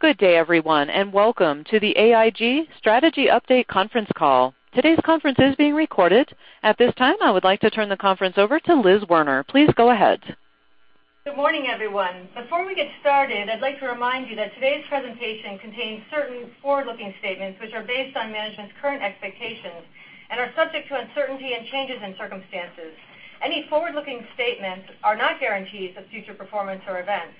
Good day, everyone, and welcome to the AIG Strategy Update conference call. Today's conference is being recorded. At this time, I would like to turn the conference over to Liz Werner. Please go ahead. Good morning, everyone. Before we get started, I'd like to remind you that today's presentation contains certain forward-looking statements, which are based on management's current expectations and are subject to uncertainty and changes in circumstances. Any forward-looking statements are not guarantees of future performance or events.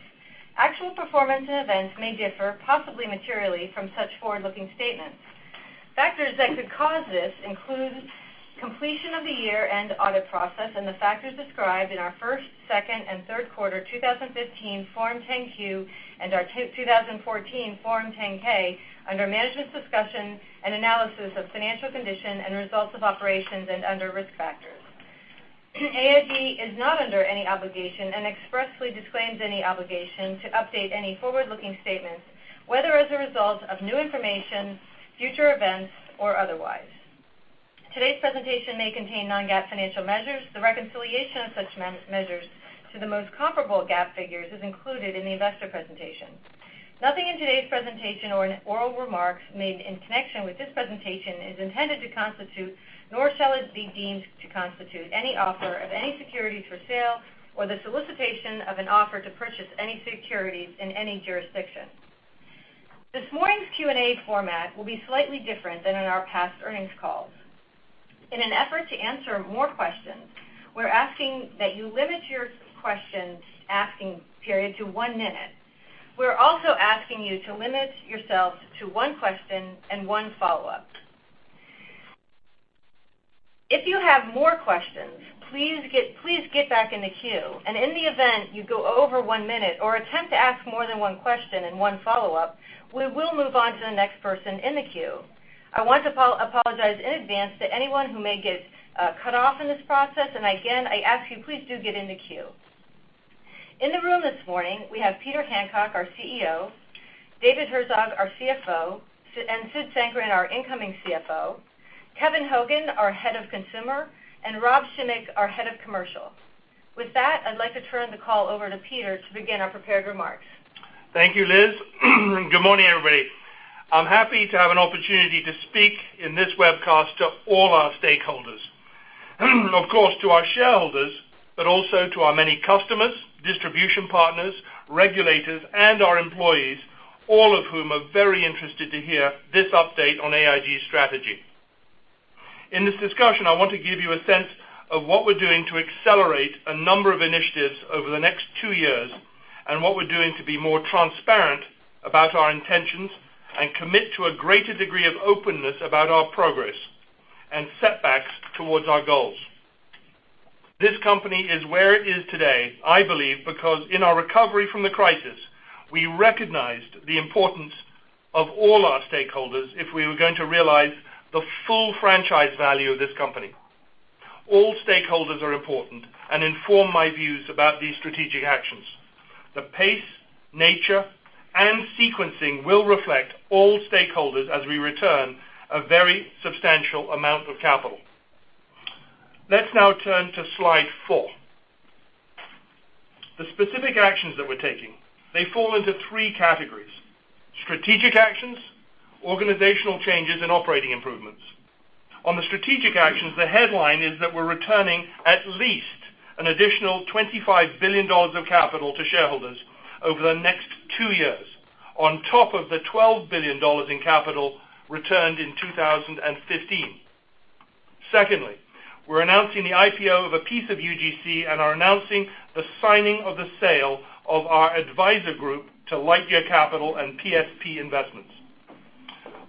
Actual performance and events may differ, possibly materially, from such forward-looking statements. Factors that could cause this include completion of the year-end audit process and the factors described in our first, second, and third quarter 2015 Form 10-Q and our 2014 Form 10-K under management's discussion and analysis of financial condition and results of operations and under risk factors. AIG is not under any obligation and expressly disclaims any obligation to update any forward-looking statements, whether as a result of new information, future events, or otherwise. Today's presentation may contain non-GAAP financial measures. The reconciliation of such measures to the most comparable GAAP figures is included in the investor presentation. Nothing in today's presentation or in oral remarks made in connection with this presentation is intended to constitute, nor shall it be deemed to constitute any offer of any securities for sale or the solicitation of an offer to purchase any securities in any jurisdiction. This morning's Q&A format will be slightly different than in our past earnings calls. In an effort to answer more questions, we're asking that you limit your question asking period to one minute. We're also asking you to limit yourselves to one question and one follow-up. If you have more questions, please get back in the queue, and in the event you go over one minute or attempt to ask more than one question and one follow-up, we will move on to the next person in the queue. I want to apologize in advance to anyone who may get cut off in this process, and again, I ask you, please do get in the queue. In the room this morning, we have Peter Hancock, our CEO; David Herzog, our CFO; and Sid Sankaran, our incoming CFO; Kevin Hogan, our Head of Consumer; and Rob Schimek, our Head of Commercial. With that, I'd like to turn the call over to Peter to begin our prepared remarks. Thank you, Liz. Good morning, everybody. I'm happy to have an opportunity to speak in this webcast to all our stakeholders. Of course, to our shareholders, but also to our many customers, distribution partners, regulators, and our employees, all of whom are very interested to hear this update on AIG strategy. In this discussion, I want to give you a sense of what we're doing to accelerate a number of initiatives over the next two years, and what we're doing to be more transparent about our intentions and commit to a greater degree of openness about our progress and setbacks towards our goals. This company is where it is today, I believe, because in our recovery from the crisis, we recognized the importance of all our stakeholders if we were going to realize the full franchise value of this company. All stakeholders are important and inform my views about these strategic actions. The pace, nature, and sequencing will reflect all stakeholders as we return a very substantial amount of capital. Let's now turn to slide four. The specific actions that we're taking, they fall into three categories: strategic actions, organizational changes, and operating improvements. On the strategic actions, the headline is that we're returning at least an additional $25 billion of capital to shareholders over the next two years, on top of the $12 billion in capital returned in 2015. Secondly, we're announcing the IPO of a piece of UGC and are announcing the signing of the sale of our advisor group to Lightyear Capital and PSP Investments.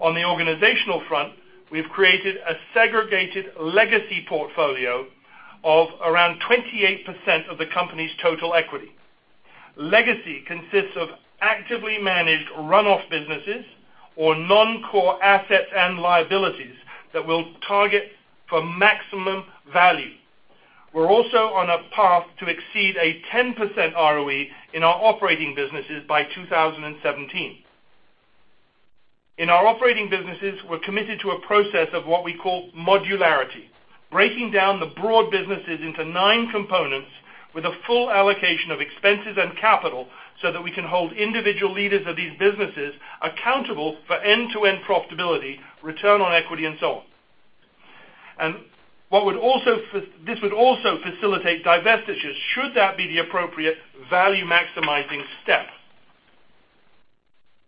On the organizational front, we've created a segregated legacy portfolio of around 28% of the company's total equity. Legacy consists of actively managed runoff businesses or non-core assets and liabilities that we'll target for maximum value. We're also on a path to exceed a 10% ROE in our operating businesses by 2017. In our operating businesses, we're committed to a process of what we call modularity, breaking down the broad businesses into nine components with a full allocation of expenses and capital so that we can hold individual leaders of these businesses accountable for end-to-end profitability, return on equity, and so on. This would also facilitate divestitures, should that be the appropriate value-maximizing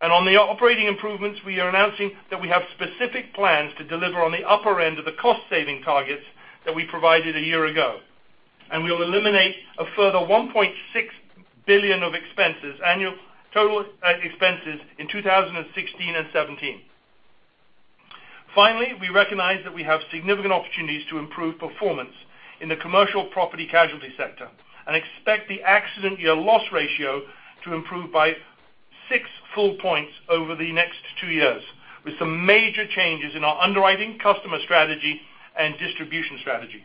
step. On the operating improvements, we are announcing that we have specific plans to deliver on the upper end of the cost-saving targets that we provided a year ago. We will eliminate a further $1.6 billion of annual total expenses in 2016 and 2017. Finally, we recognize that we have significant opportunities to improve performance in the commercial property casualty sector and expect the accident year loss ratio to improve by 6 full points over the next two years, with some major changes in our underwriting customer strategy and distribution strategy.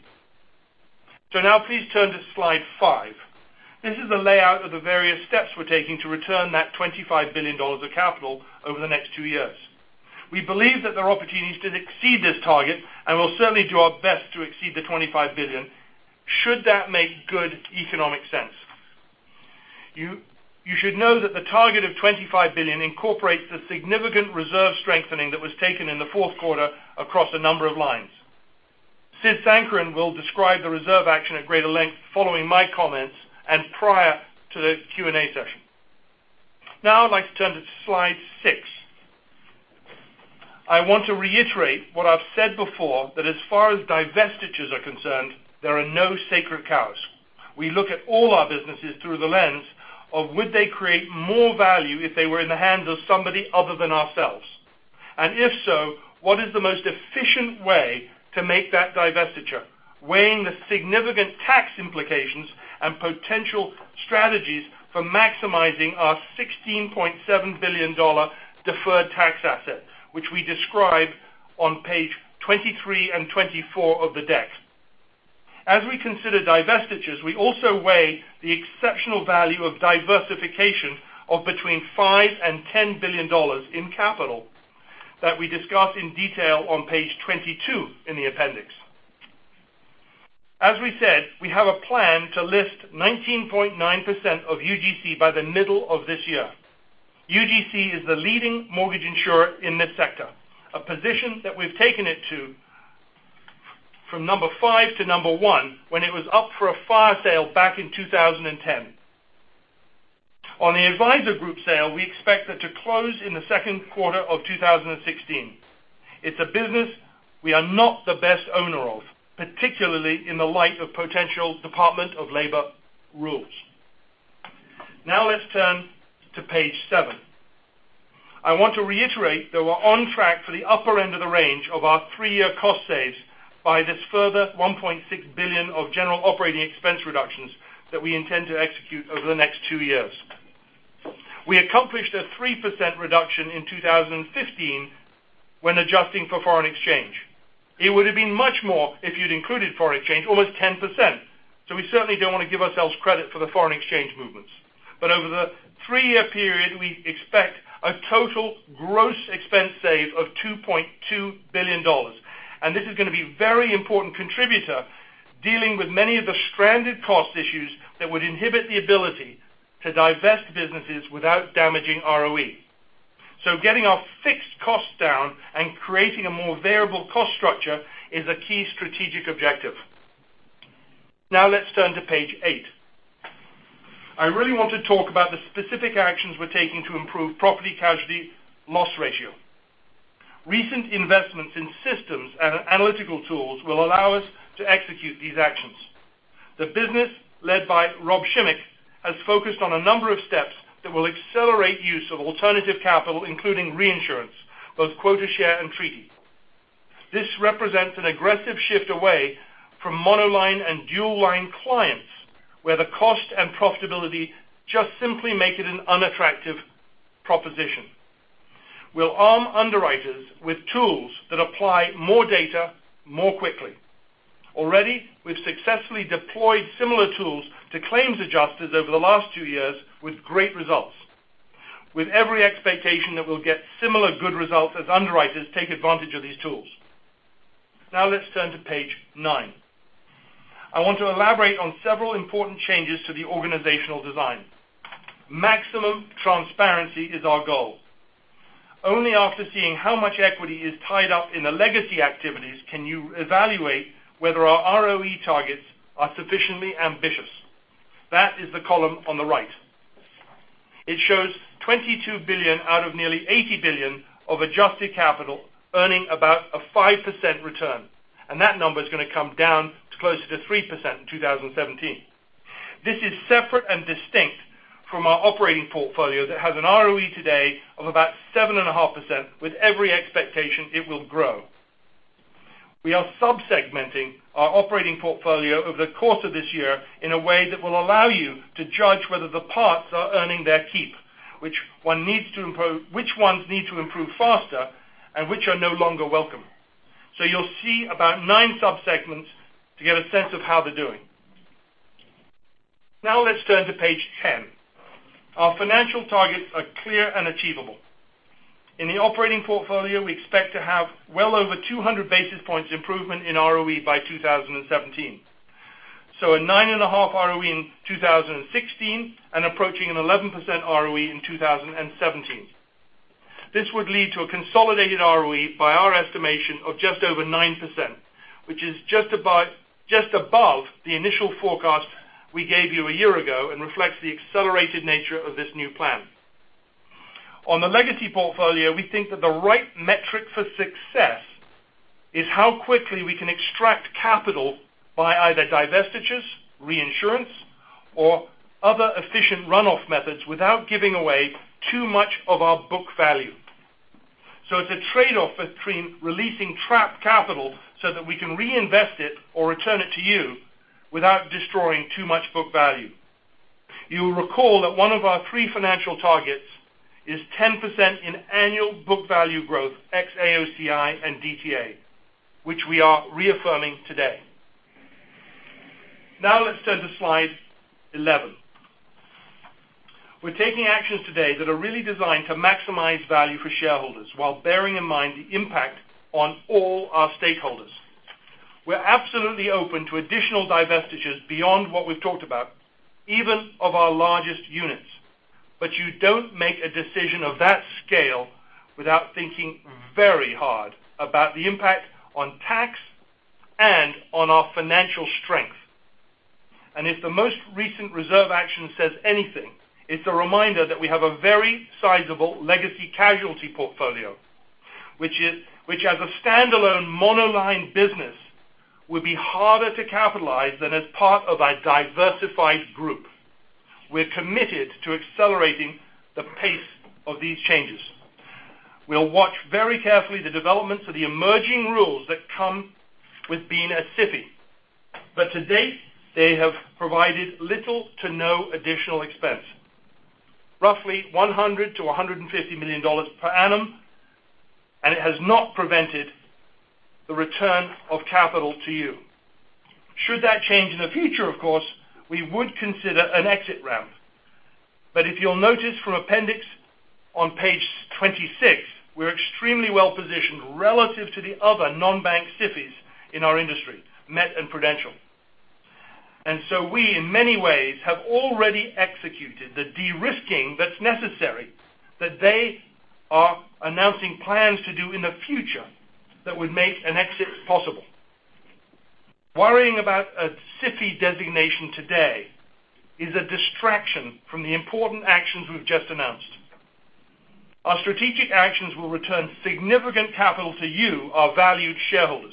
Now please turn to slide five. This is the layout of the various steps we're taking to return that $25 billion of capital over the next two years. We believe that there are opportunities to exceed this target, and we'll certainly do our best to exceed the $25 billion. Should that make good economic sense? You should know that the target of $25 billion incorporates the significant reserve strengthening that was taken in the fourth quarter across a number of lines. Sid Sankaran will describe the reserve action at greater length following my comments and prior to the Q&A session. I'd like to turn to slide six. I want to reiterate what I've said before, that as far as divestitures are concerned, there are no sacred cows. We look at all our businesses through the lens of would they create more value if they were in the hands of somebody other than ourselves. If so, what is the most efficient way to make that divestiture, weighing the significant tax implications and potential strategies for maximizing our $16.7 billion deferred tax asset, which we describe on page 23 and 24 of the deck. As we consider divestitures, we also weigh the exceptional value of diversification of between $5 billion and $10 billion in capital that we discuss in detail on page 22 in the appendix. We said, we have a plan to list 19.9% of UGC by the middle of this year. UGC is the leading mortgage insurer in this sector, a position that we've taken it to from number five to number one when it was up for a fire sale back in 2010. On the Advisor Group sale, we expect that to close in the second quarter of 2016. It's a business we are not the best owner of, particularly in the light of potential United States Department of Labor rules. Let's turn to page seven. I want to reiterate that we're on track for the upper end of the range of our three-year cost saves by this further $1.6 billion of general operating expense reductions that we intend to execute over the next two years. We accomplished a 3% reduction in 2015 when adjusting for foreign exchange. It would have been much more if you'd included foreign exchange, almost 10%. We certainly don't want to give ourselves credit for the foreign exchange movements. Over the three-year period, we expect a total gross expense save of $2.2 billion. This is going to be a very important contributor dealing with many of the stranded cost issues that would inhibit the ability to divest businesses without damaging ROE. Getting our fixed costs down and creating a more variable cost structure is a key strategic objective. Let's turn to page eight. I really want to talk about the specific actions we're taking to improve Property and Casualty loss ratio. Recent investments in systems and analytical tools will allow us to execute these actions. The business led by Rob Schimek has focused on a number of steps that will accelerate use of alternative capital, including reinsurance, both quota share and treaty. This represents an aggressive shift away from monoline and dual line clients, where the cost and profitability just simply make it an unattractive proposition. We'll arm underwriters with tools that apply more data more quickly. Already, we've successfully deployed similar tools to claims adjusters over the last two years with great results. With every expectation that we'll get similar good results as underwriters take advantage of these tools. Let's turn to page nine. I want to elaborate on several important changes to the organizational design. Maximum transparency is our goal. Only after seeing how much equity is tied up in the legacy activities, can you evaluate whether our ROE targets are sufficiently ambitious. That is the column on the right. It shows $22 billion out of nearly $80 billion of adjusted capital, earning about a 5% return, and that number is going to come down to closer to 3% in 2017. This is separate and distinct from our operating portfolio that has an ROE today of about 7.5% with every expectation it will grow. We are sub-segmenting our operating portfolio over the course of this year in a way that will allow you to judge whether the parts are earning their keep, which ones need to improve faster, and which are no longer welcome. You'll see about nine sub-segments to get a sense of how they're doing. Now let's turn to page 10. Our financial targets are clear and achievable. In the operating portfolio, we expect to have well over 200 basis points improvement in ROE by 2017. A nine and a half ROE in 2016 and approaching an 11% ROE in 2017. This would lead to a consolidated ROE by our estimation of just over 9%, which is just above the initial forecast we gave you a year ago and reflects the accelerated nature of this new plan. On the legacy portfolio, we think that the right metric for success is how quickly we can extract capital by either divestitures, reinsurance, or other efficient runoff methods without giving away too much of our book value. It's a trade-off between releasing trapped capital so that we can reinvest it or return it to you without destroying too much book value. You will recall that one of our three financial targets is 10% in annual book value growth ex-AOCI and DTA, which we are reaffirming today. Now let's turn to slide 11. We're taking actions today that are really designed to maximize value for shareholders while bearing in mind the impact on all our stakeholders. We're absolutely open to additional divestitures beyond what we've talked about, even of our largest units. You don't make a decision of that scale without thinking very hard about the impact on tax and on our financial strength. If the most recent reserve action says anything, it's a reminder that we have a very sizable legacy casualty portfolio, which as a standalone monoline business, would be harder to capitalize than as part of a diversified group. We're committed to accelerating the pace of these changes. We'll watch very carefully the developments of the emerging rules that come with being a SIFI. To date, they have provided little to no additional expense, roughly $100 million-$150 million per annum, and it has not prevented the return of capital to you. Should that change in the future, of course, we would consider an exit ramp. If you'll notice from appendix on page 26, we're extremely well-positioned relative to the other non-bank SIFIs in our industry, Met and Prudential. We, in many ways, have already executed the de-risking that's necessary, that they are announcing plans to do in the future that would make an exit possible. Worrying about a SIFI designation today is a distraction from the important actions we've just announced. Our strategic actions will return significant capital to you, our valued shareholders.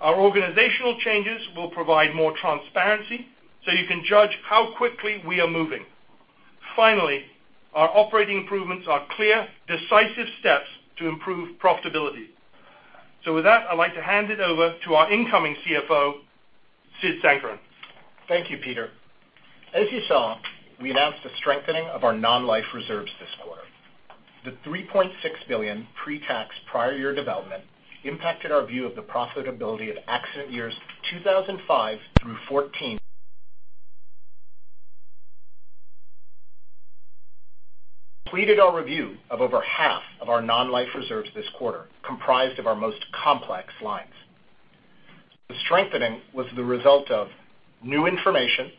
Our organizational changes will provide more transparency so you can judge how quickly we are moving. Finally, our operating improvements are clear, decisive steps to improve profitability. With that, I'd like to hand it over to our incoming CFO, Sid Sankaran. Thank you, Peter. As you saw, we announced a strengthening of our non-life reserves this quarter. The $3.6 billion pre-tax prior year development impacted our view of the profitability of accident years 2005 through 2014. We did our review of over half of our non-life reserves this quarter, comprised of our most complex lines. The strengthening was the result of new information,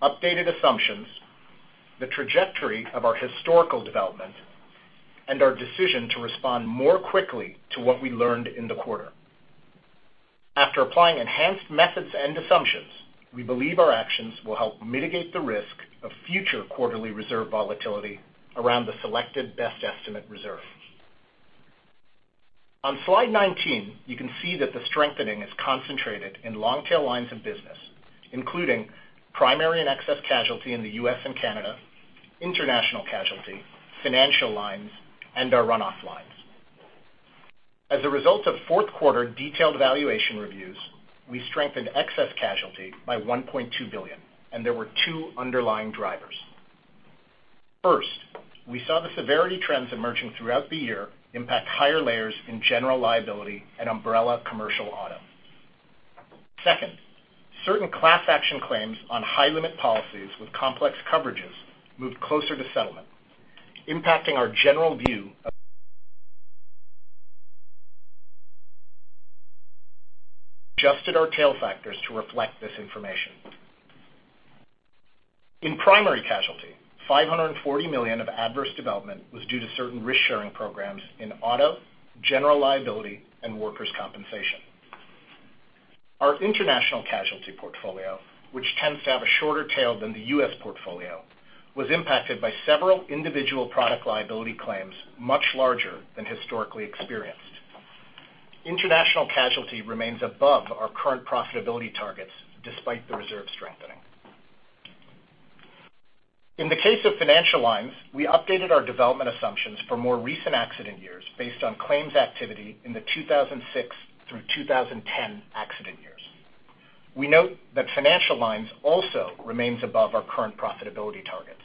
updated assumptions, the trajectory of our historical development, and our decision to respond more quickly to what we learned in the quarter. After applying enhanced methods and assumptions, we believe our actions will help mitigate the risk of future quarterly reserve volatility around the selected best estimate reserve. On slide 19, you can see that the strengthening is concentrated in long-tail lines of business, including primary and excess casualty in the U.S. and Canada, international casualty, financial lines, and our run-off lines. As a result of fourth quarter detailed valuation reviews, we strengthened excess casualty by $1.2 billion. There were two underlying drivers. First, we saw the severity trends emerging throughout the year impact higher layers in general liability and umbrella commercial auto. Second, certain class action claims on high-limit policies with complex coverages moved closer to settlement, impacting our general view of. Adjusted our tail factors to reflect this information. In primary casualty, $540 million of adverse development was due to certain risk-sharing programs in auto, general liability, and workers' compensation. Our international casualty portfolio, which tends to have a shorter tail than the U.S. portfolio, was impacted by several individual product liability claims much larger than historically experienced. International casualty remains above our current profitability targets despite the reserve strengthening. In the case of financial lines, we updated our development assumptions for more recent accident years based on claims activity in the 2006 through 2010 accident years. We note that financial lines also remains above our current profitability targets.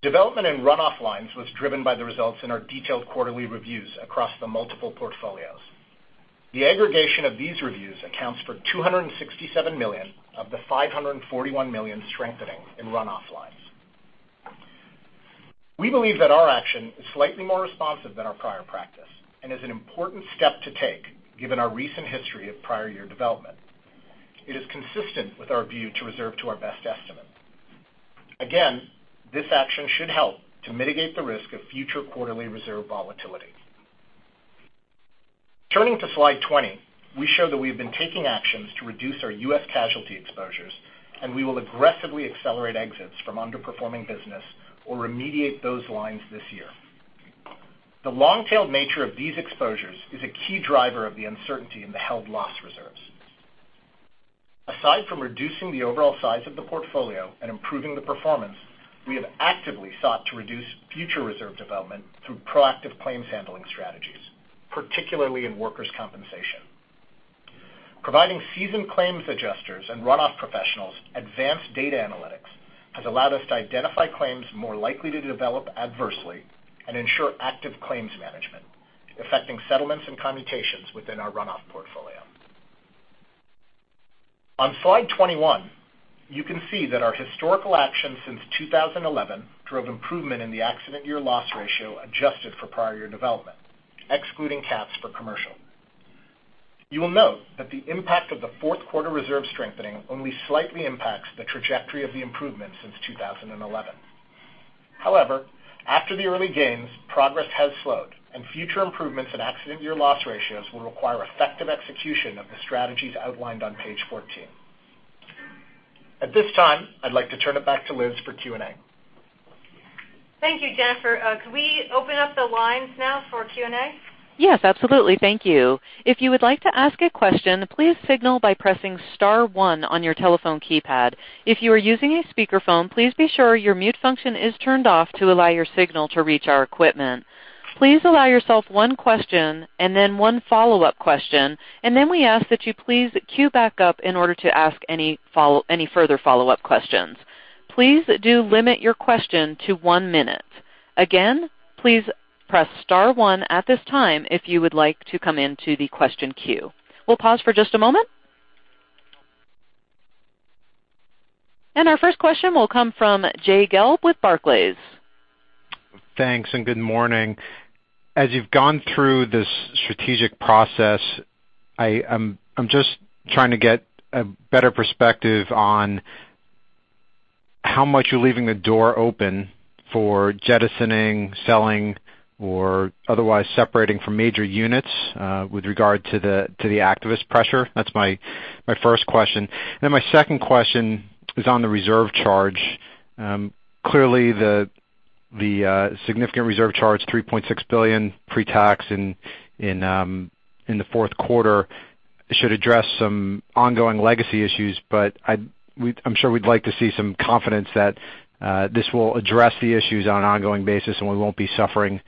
Development in run-off lines was driven by the results in our detailed quarterly reviews across the multiple portfolios. The aggregation of these reviews accounts for $267 million of the $541 million strengthening in run-off lines. We believe that our action is slightly more responsive than our prior practice and is an important step to take, given our recent history of prior year development. It is consistent with our view to reserve to our best estimate. Again, this action should help to mitigate the risk of future quarterly reserve volatility. Turning to slide 20, we show that we've been taking actions to reduce our U.S. casualty exposures. We will aggressively accelerate exits from underperforming business or remediate those lines this year. The long-tailed nature of these exposures is a key driver of the uncertainty in the held loss reserves. Aside from reducing the overall size of the portfolio and improving the performance, we have actively sought to reduce future reserve development through proactive claims handling strategies, particularly in workers' compensation. Providing seasoned claims adjusters and run-off professionals advanced data analytics has allowed us to identify claims more likely to develop adversely and ensure active claims management, affecting settlements and commutations within our run-off portfolio. On slide 21, you can see that our historical actions since 2011 drove improvement in the accident year loss ratio adjusted for prior year development, excluding CATs for commercial. You will note that the impact of the fourth quarter reserve strengthening only slightly impacts the trajectory of the improvement since 2011. However, after the early gains, progress has slowed. Future improvements in accident year loss ratios will require effective execution of the strategies outlined on page 14. At this time, I'd like to turn it back to Liz for Q&A. Thank you. Jennifer, could we open up the lines now for Q&A? Yes, absolutely. Thank you. If you would like to ask a question, please signal by pressing star one on your telephone keypad. If you are using a speakerphone, please be sure your mute function is turned off to allow your signal to reach our equipment. Please allow yourself one question and then one follow-up question. Then we ask that you please queue back up in order to ask any further follow-up questions. Please do limit your question to one minute. Again, please press star one at this time if you would like to come into the question queue. We'll pause for just a moment. Our first question will come from Jay Gelb with Barclays. Thanks and good morning. As you've gone through this strategic process, I'm just trying to get a better perspective on how much you're leaving the door open for jettisoning, selling, or otherwise separating from major units, with regard to the activist pressure. That's my first question. My second question is on the reserve charge. Clearly, the significant reserve charge, $3.6 billion pre-tax in the fourth quarter, should address some ongoing legacy issues. I'm sure we'd like to see some confidence that this will address the issues on an ongoing basis, and we won't be suffering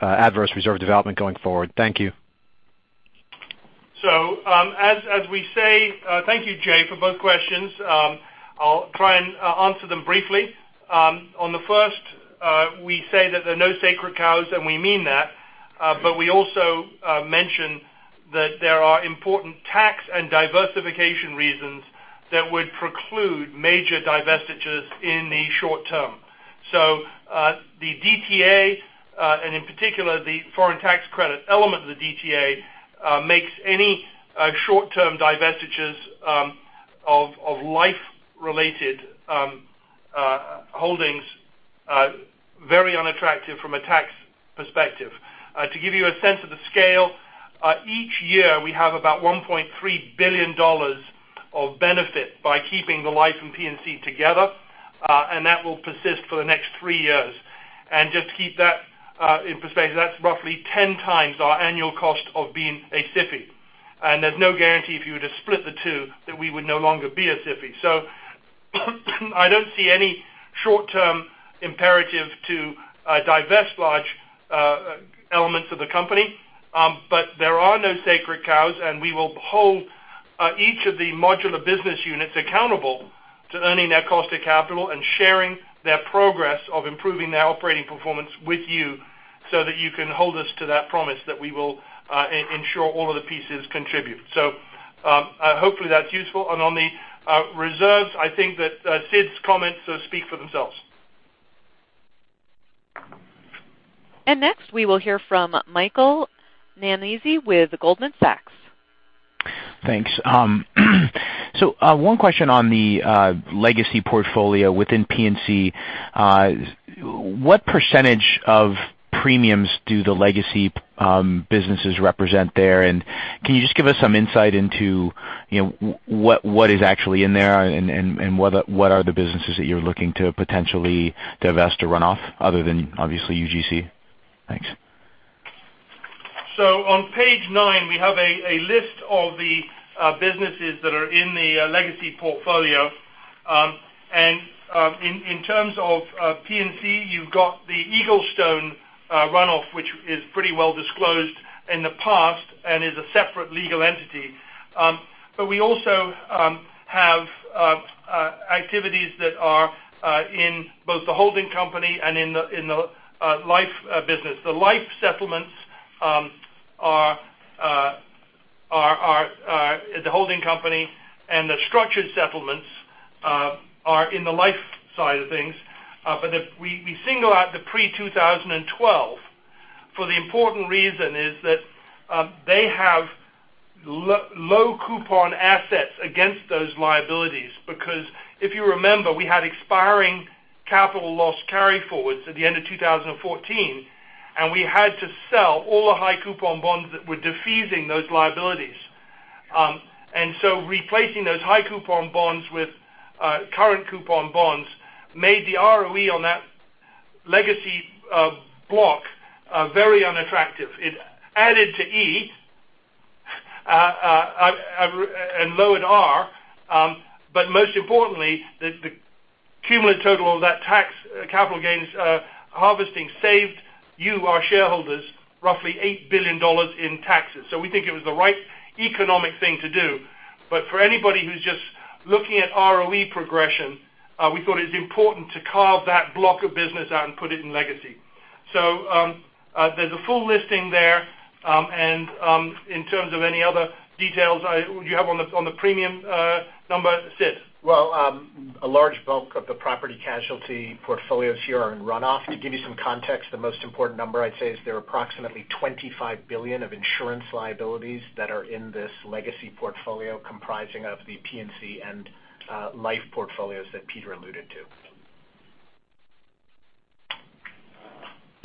adverse reserve development going forward. Thank you. Thank you, Jay, for both questions. I'll try and answer them briefly. On the first, we say that there are no sacred cows, and we mean that. We also mention that there are important tax and diversification reasons that would preclude major divestitures in the short term. The DTA, and in particular, the foreign tax credit element of the DTA, makes any short-term divestitures of life-related holdings very unattractive from a tax perspective. To give you a sense of the scale, each year we have about $1.3 billion of benefit by keeping the life and P&C together, and that will persist for the next three years. Just to keep that in perspective, that's roughly 10x our annual cost of being a SIFI. There's no guarantee if you were to split the two that we would no longer be a SIFI. I don't see any short-term imperative to divest large elements of the company. There are no sacred cows, and we will hold each of the modular business units accountable to earning their cost of capital and sharing their progress of improving their operating performance with you so that you can hold us to that promise that we will ensure all of the pieces contribute. Hopefully that's useful. On the reserves, I think that Sid's comments speak for themselves. Next, we will hear from Michael Nannizzi with Goldman Sachs. Thanks. One question on the legacy portfolio within P&C. What percentage of premiums do the legacy businesses represent there? Can you just give us some insight into what is actually in there and what are the businesses that you're looking to potentially divest or run off other than obviously UGC? Thanks. On page nine, we have a list of the businesses that are in the legacy portfolio. In terms of P&C, you've got the Eaglestone runoff, which is pretty well disclosed in the past and is a separate legal entity. We also have activities that are in both the holding company and in the life business. The life settlements are the holding company, and the structured settlements are in the life side of things. We single out the pre 2012 for the important reason is that they have low coupon assets against those liabilities because if you remember, we had expiring capital loss carry forwards at the end of 2014, and we had to sell all the high coupon bonds that were defeasing those liabilities. Replacing those high coupon bonds with current coupon bonds made the ROE on that legacy block very unattractive. It added to E and lowered R. Most importantly, the cumulative total of that tax capital gains harvesting saved you, our shareholders, roughly $8 billion in taxes. We think it was the right economic thing to do. For anybody who's just looking at ROE progression, we thought it was important to carve that block of business out and put it in legacy There's a full listing there. In terms of any other details you have on the premium number, Sid. Well, a large bulk of the property casualty portfolios here are in runoff. To give you some context, the most important number I'd say is there are approximately $25 billion of insurance liabilities that are in this legacy portfolio comprising of the P&C and life portfolios that Peter alluded to.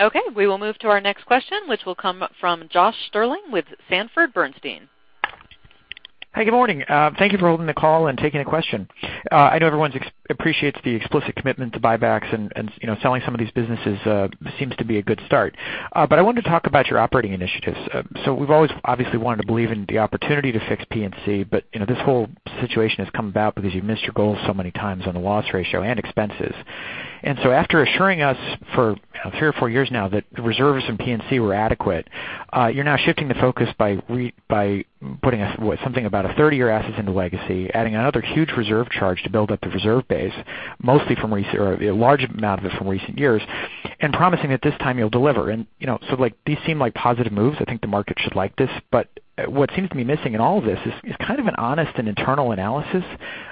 Okay. We will move to our next question, which will come from Josh Stirling with Sanford Bernstein. Hi. Good morning. Thank you for holding the call and taking the question. I know everyone appreciates the explicit commitment to buybacks and selling some of these businesses seems to be a good start. I wanted to talk about your operating initiatives. We've always obviously wanted to believe in the opportunity to fix P&C, but this whole situation has come about because you've missed your goals so many times on the loss ratio and expenses. After assuring us for three or four years now that reserves in P&C were adequate, you're now shifting the focus by putting something about a third of your assets into legacy, adding another huge reserve charge to build up the reserve base, a large amount of it from recent years, and promising that this time you'll deliver. These seem like positive moves. I think the market should like this, what seems to be missing in all of this is kind of an honest and internal analysis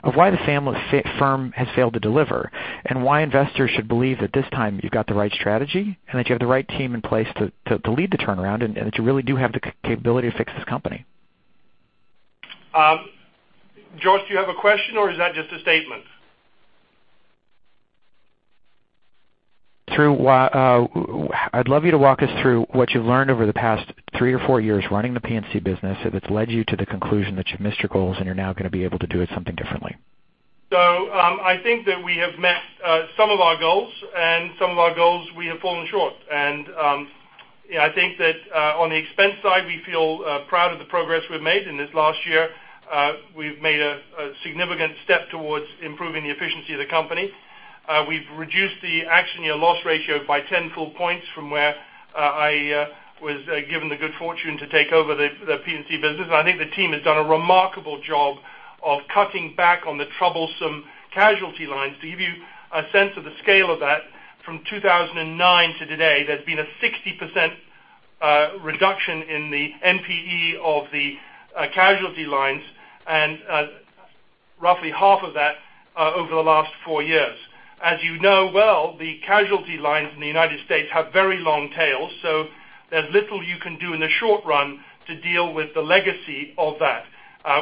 of why the firm has failed to deliver, and why investors should believe that this time you've got the right strategy and that you have the right team in place to lead the turnaround and that you really do have the capability to fix this company. Josh, do you have a question or is that just a statement? I'd love you to walk us through what you've learned over the past three or four years running the P&C business that's led you to the conclusion that you've missed your goals and you're now going to be able to do it something differently. I think that we have met some of our goals and some of our goals we have fallen short. I think that on the expense side, we feel proud of the progress we've made in this last year. We've made a significant step towards improving the efficiency of the company. We've reduced the accident year loss ratio by 10 full points from where I was given the good fortune to take over the P&C business. I think the team has done a remarkable job of cutting back on the troublesome casualty lines. To give you a sense of the scale of that, from 2009 to today, there's been a 60% reduction in the NPE of the casualty lines and roughly half of that over the last four years. As you know well, the casualty lines in the U.S. have very long tails. There's little you can do in the short run to deal with the legacy of that.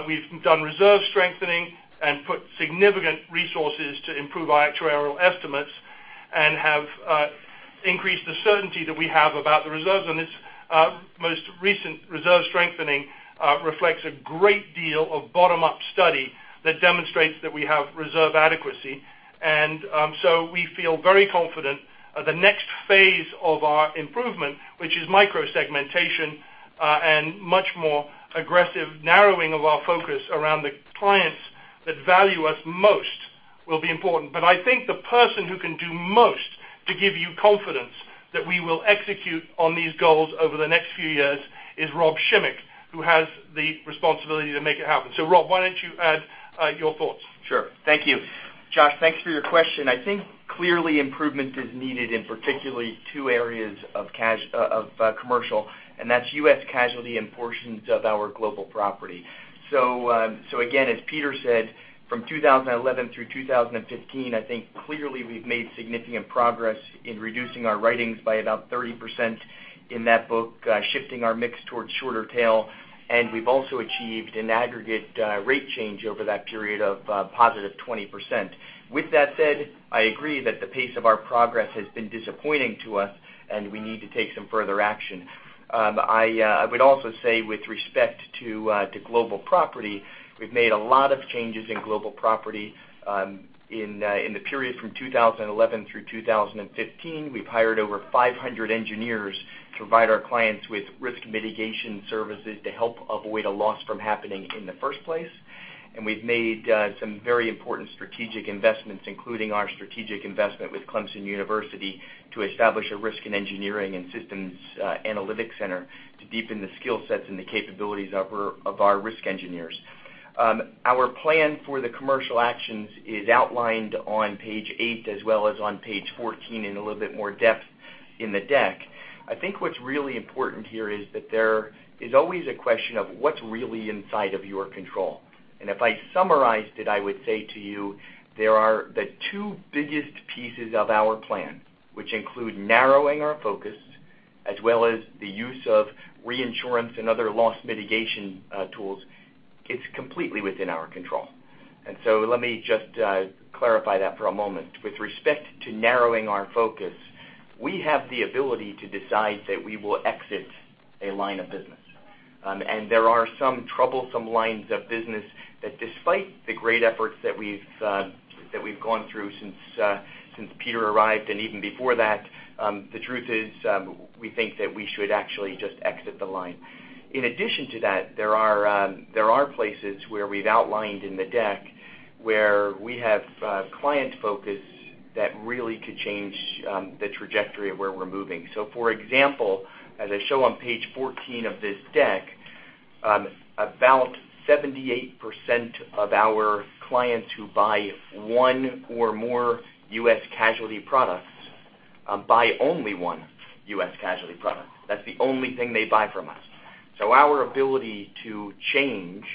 We've done reserve strengthening and put significant resources to improve our actuarial estimates and have increased the certainty that we have about the reserves, and this most recent reserve strengthening reflects a great deal of bottom-up study that demonstrates that we have reserve adequacy. We feel very confident the next phase of our improvement, which is micro segmentation, and much more aggressive narrowing of our focus around the clients that value us most will be important. I think the person who can do most to give you confidence that we will execute on these goals over the next few years is Rob Schimek, who has the responsibility to make it happen. Rob, why don't you add your thoughts? Sure. Thank you. Josh, thanks for your question. I think clearly improvement is needed in particularly two areas of commercial, and that's U.S. casualty and portions of our global property. Again, as Peter said, from 2011 through 2015, I think clearly we've made significant progress in reducing our writings by about 30% in that book, shifting our mix towards shorter tail. We've also achieved an aggregate rate change over that period of positive 20%. With that said, I agree that the pace of our progress has been disappointing to us, and we need to take some further action. I would also say with respect to global property, we've made a lot of changes in global property. In the period from 2011 through 2015, we've hired over 500 engineers to provide our clients with risk mitigation services to help avoid a loss from happening in the first place. We've made some very important strategic investments, including our strategic investment with Clemson University to establish a Risk Engineering and systems analytics center to deepen the skill sets and the capabilities of our risk engineers. Our plan for the commercial actions is outlined on page eight as well as on page 14 in a little bit more depth in the deck. I think what's really important here is that there is always a question of what's really inside of your control. If I summarized it, I would say to you, there are the two biggest pieces of our plan, which include narrowing our focus as well as the use of reinsurance and other loss mitigation tools. It's completely within our control. Let me just clarify that for a moment. With respect to narrowing our focus, we have the ability to decide that we will exit a line of business. There are some troublesome lines of business that despite the great efforts that we've gone through since Peter arrived and even before that, the truth is, we think that we should actually just exit the line. In addition to that, there are places where we've outlined in the deck where we have client focus that really could change the trajectory of where we're moving. For example, as I show on page 14 of this deck, about 78% of our clients who buy one or more U.S. casualty products buy only one U.S. casualty product. That's the only thing they buy from us. Our ability to change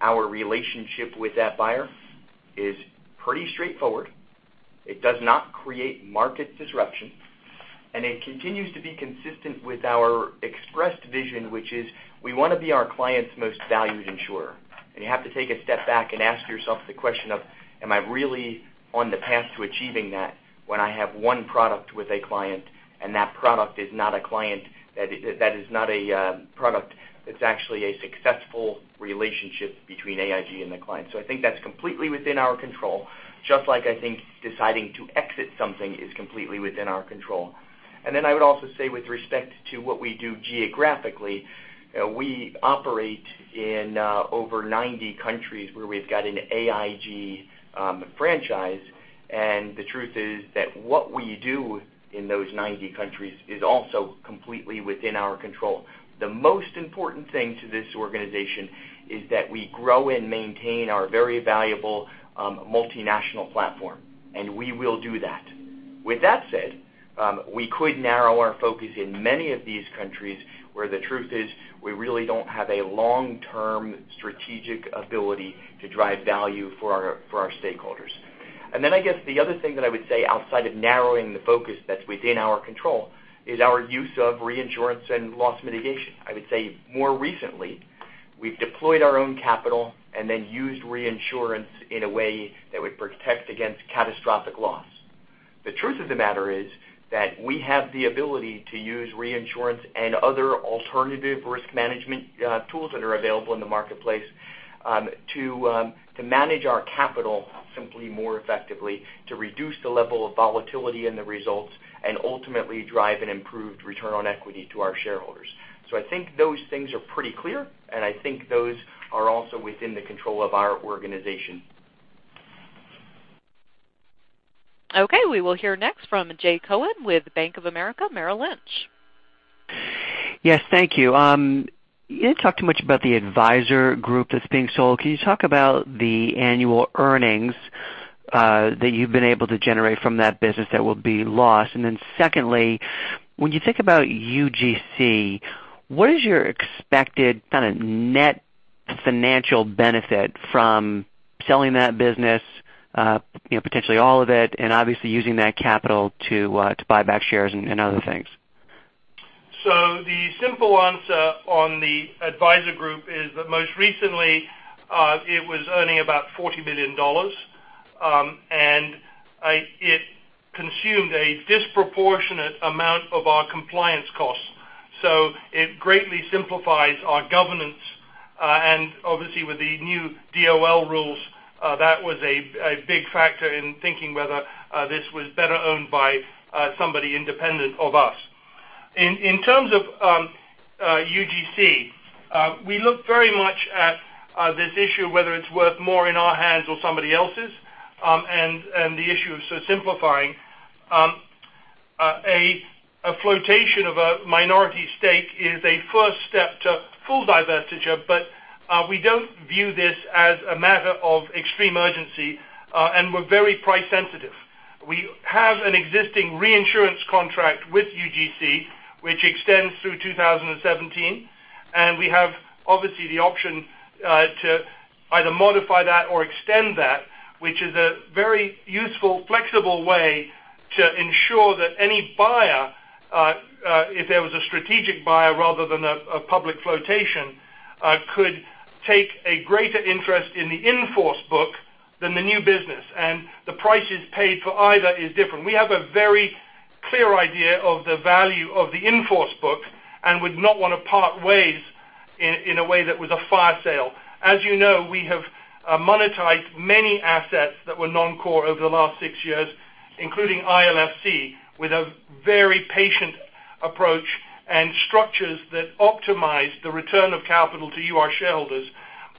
our relationship with that buyer is pretty straightforward. It does not create market disruption, and it continues to be consistent with our expressed vision, which is we want to be our client's most valued insurer. You have to take a step back and ask yourself the question of, am I really on the path to achieving that when I have one product with a client and that product is not a product that's actually a successful relationship between AIG and the client? I think that's completely within our control, just like I think deciding to exit something is completely within our control. Then I would also say with respect to what we do geographically, we operate in over 90 countries where we've got an AIG franchise, and the truth is that what we do in those 90 countries is also completely within our control. The most important thing to this organization is that we grow and maintain our very valuable multinational platform, we will do that. With that said, we could narrow our focus in many of these countries where the truth is we really don't have a long-term strategic ability to drive value for our stakeholders. I guess the other thing that I would say outside of narrowing the focus that's within our control is our use of reinsurance and loss mitigation. I would say more recently, we've deployed our own capital and then used reinsurance in a way that would protect against catastrophic loss. The truth of the matter is that we have the ability to use reinsurance and other alternative risk management tools that are available in the marketplace to manage our capital simply more effectively to reduce the level of volatility in the results and ultimately drive an improved return on equity to our shareholders. I think those things are pretty clear, and I think those are also within the control of our organization. Okay. We will hear next from Jay Cohen with Bank of America Merrill Lynch. Yes, thank you. You didn't talk too much about the Advisor Group that's being sold. Can you talk about the annual earnings that you've been able to generate from that business that will be lost? Secondly, when you think about UGC, what is your expected kind of net financial benefit from selling that business, potentially all of it, and obviously using that capital to buy back shares and other things? The simple answer on the Advisor Group is that most recently it was earning about $40 million. It consumed a disproportionate amount of our compliance costs. It greatly simplifies our governance, and obviously with the new DOL rules, that was a big factor in thinking whether this was better owned by somebody independent of us. In terms of UGC, we look very much at this issue, whether it's worth more in our hands or somebody else's, and the issue of simplifying. A flotation of a minority stake is a first step to full divestiture. We don't view this as a matter of extreme urgency, and we're very price sensitive. We have an existing reinsurance contract with UGC, which extends through 2017. We have, obviously, the option to either modify that or extend that, which is a very useful, flexible way to ensure that any buyer, if there was a strategic buyer rather than a public flotation, could take a greater interest in the in-force book than the new business. The prices paid for either is different. We have a very clear idea of the value of the in-force book and would not want to part ways in a way that was a fire sale. As you know, we have monetized many assets that were non-core over the last six years, including ILFC, with a very patient approach and structures that optimize the return of capital to you, our shareholders,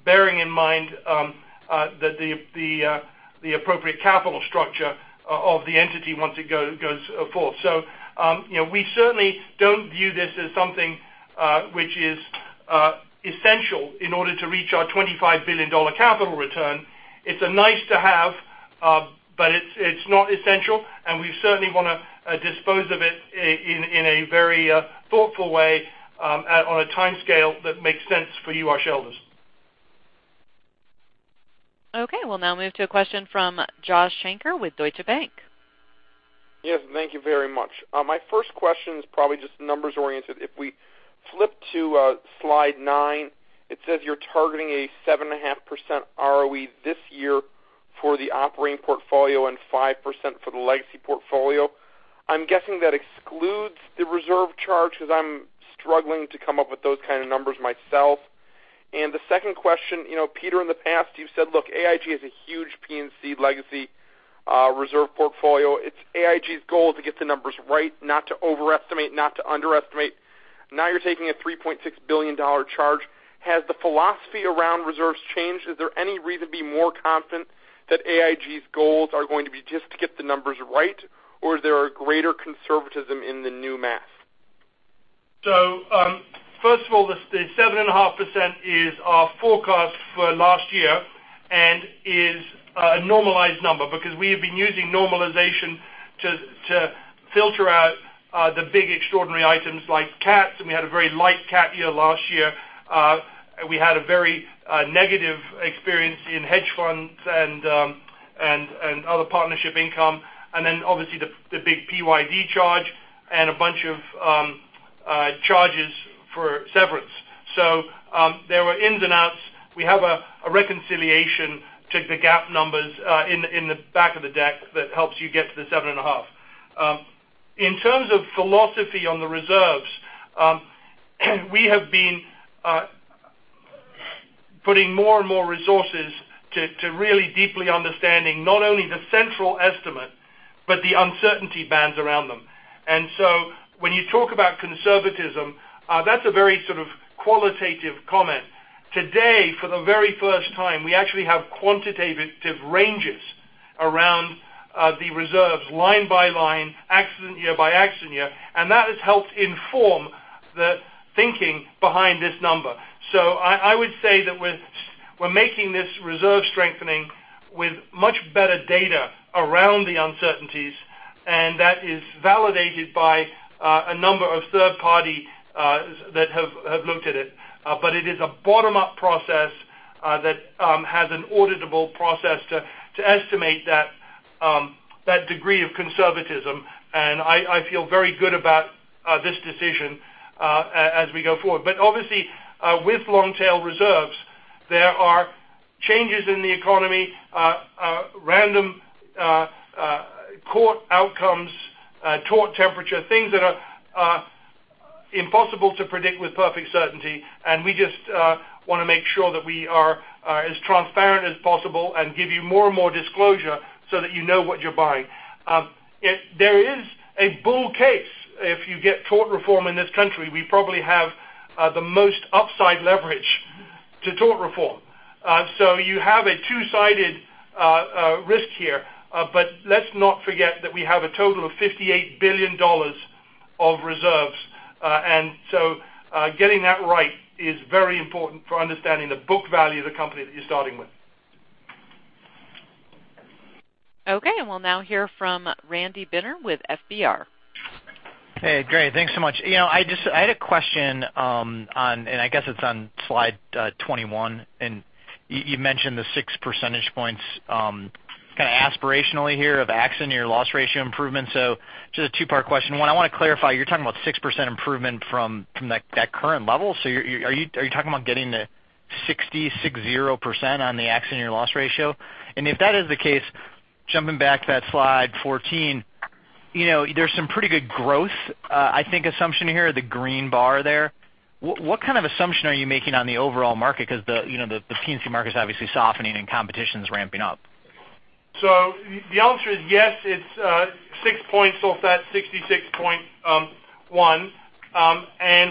bearing in mind the appropriate capital structure of the entity once it goes forth. We certainly don't view this as something which is essential in order to reach our $25 billion capital return. It's nice to have, but it's not essential. We certainly want to dispose of it in a very thoughtful way on a timescale that makes sense for you, our shareholders. Okay, we'll now move to a question from Josh Shanker with Deutsche Bank. Yes, thank you very much. My first question is probably just numbers oriented. If we flip to slide nine, it says you're targeting a 7.5% ROE this year for the operating portfolio and 5% for the legacy portfolio. I'm guessing that excludes the reserve charge because I'm struggling to come up with those kind of numbers myself. The second question, Peter, in the past you've said, look, AIG has a huge P&C legacy reserve portfolio. It's AIG's goal to get the numbers right, not to overestimate, not to underestimate. Now you're taking a $3.6 billion charge. Has the philosophy around reserves changed? Is there any reason to be more confident that AIG's goals are going to be just to get the numbers right? Is there a greater conservatism in the new math? First of all, the 7.5% is our forecast for last year and is a normalized number because we have been using normalization to filter out the big extraordinary items like CATs. We had a very light CAT year last year. We had a very negative experience in hedge funds and other partnership income. Then obviously the big PYD charge and a bunch of charges for severance. There were ins and outs. We have a reconciliation to the GAAP numbers in the back of the deck that helps you get to the 7.5. In terms of philosophy on the reserves we have been putting more and more resources to really deeply understanding not only the central estimate, but the uncertainty bands around them. When you talk about conservatism, that's a very sort of qualitative comment. Today, for the very first time, we actually have quantitative ranges around the reserves line by line, accident year by accident year, and that has helped inform the thinking behind this number. I would say that we're making this reserve strengthening with much better data around the uncertainties, and that is validated by a number of third party that have looked at it. It is a bottom-up process that has an auditable process to estimate that degree of conservatism. I feel very good about this decision as we go forward. Obviously with long-tail reserves, there are changes in the economy, random court outcomes, tort temperature, things that are impossible to predict with perfect certainty. We just want to make sure that we are as transparent as possible and give you more and more disclosure so that you know what you're buying. There is a bull case if you get tort reform in this country. We probably have the most upside leverage to tort reform. You have a two-sided risk here. Let's not forget that we have a total of $58 billion of reserves. Getting that right is very important for understanding the book value of the company that you're starting with. Okay. We'll now hear from Randy Binner with FBR. Hey, great. Thanks so much. I had a question on, I guess it's on slide 21. You mentioned the 6 percentage points kind of aspirationally here of accident year loss ratio improvement. Just a two-part question. One, I want to clarify, you're talking about 6% improvement from that current level. Are you talking about getting to 60%, 60% on the accident year loss ratio? If that is the case, jumping back to that slide 14, there's some pretty good growth, I think assumption here, the green bar there. What kind of assumption are you making on the overall market? Because the P&C market is obviously softening and competition's ramping up. The answer is yes, it's six points off that 66.1.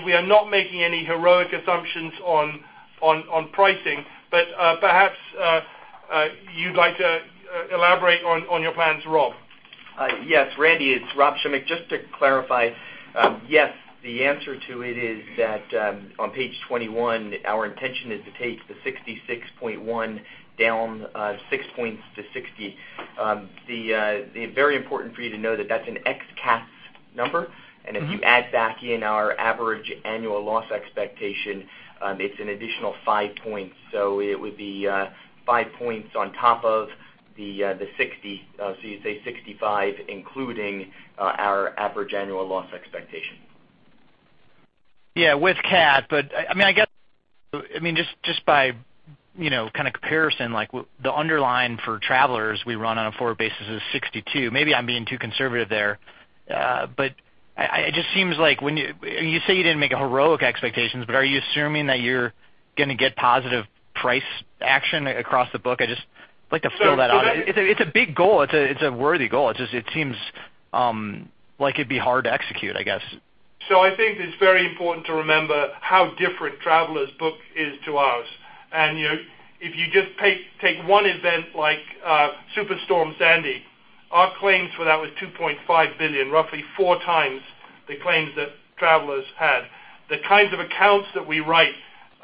We are not making any heroic assumptions on pricing. Perhaps you'd like to elaborate on your plans, Rob. Yes, Randy, it's Rob Schimek. Just to clarify, yes, the answer to it is that on page 21, our intention is to take the 66.1 down six points to 60. Very important for you to know that that's an ex CATs number. If you add back in our average annual loss expectation, it's an additional five points. It would be five points on top of the 60. You say 65, including our average annual loss expectation. Yeah, with CAT, I guess just by kind of comparison, like the underlying for Travelers we run on a forward basis is 62. Maybe I'm being too conservative there. It just seems like when you say you didn't make a heroic expectations, are you assuming that you're going to get positive price action across the book? I'd just like to fill that out. It's a big goal. It's a worthy goal. It seems like it'd be hard to execute, I guess. I think it's very important to remember how different Travelers book is to ours. If you just take one event like Superstorm Sandy, our claims for that was $2.5 billion, roughly four times the claims that Travelers had. The kinds of accounts that we write,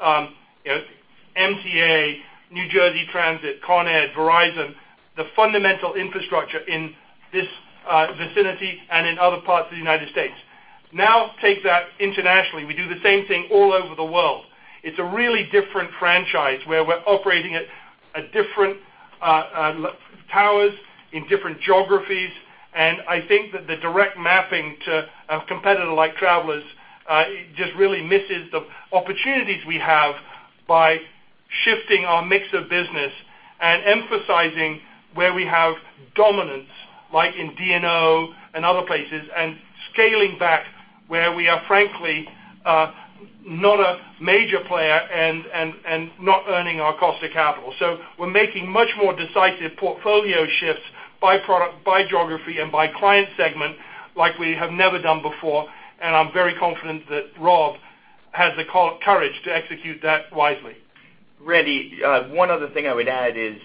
MTA, New Jersey Transit, Con Ed, Verizon, the fundamental infrastructure in this vicinity and in other parts of the United States. Now take that internationally. We do the same thing all over the world. It's a really different franchise where we're operating at different towers in different geographies. I think that the direct mapping to a competitor like Travelers just really misses the opportunities we have by shifting our mix of business and emphasizing where we have dominance, like in D&O and other places, and scaling back where we are frankly not a major player and not earning our cost of capital. We're making much more decisive portfolio shifts by product, by geography, and by client segment like we have never done before. I'm very confident that Rob has the courage to execute that wisely. Randy, one other thing I would add is,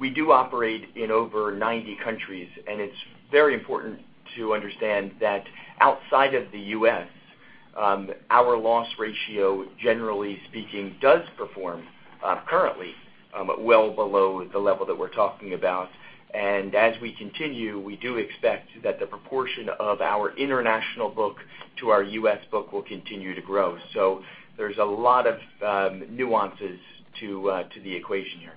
we do operate in over 90 countries, and it's very important to understand that outside of the U.S., our loss ratio, generally speaking, does perform currently well below the level that we're talking about. As we continue, we do expect that the proportion of our international book to our U.S. book will continue to grow. There's a lot of nuances to the equation here.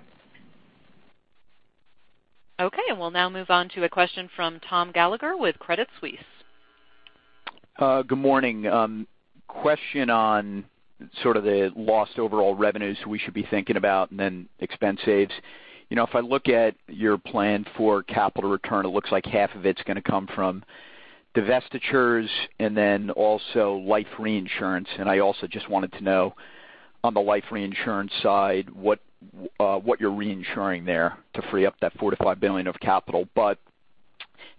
Okay. We'll now move on to a question from Tom Gallagher with Credit Suisse. Good morning. Question on sort of the lost overall revenues we should be thinking about, then expense saves. If I look at your plan for capital return, it looks like half of it's going to come from divestitures and then also life reinsurance. I also just wanted to know on the life reinsurance side, what you're reinsuring there to free up that $4 billion-$5 billion of capital.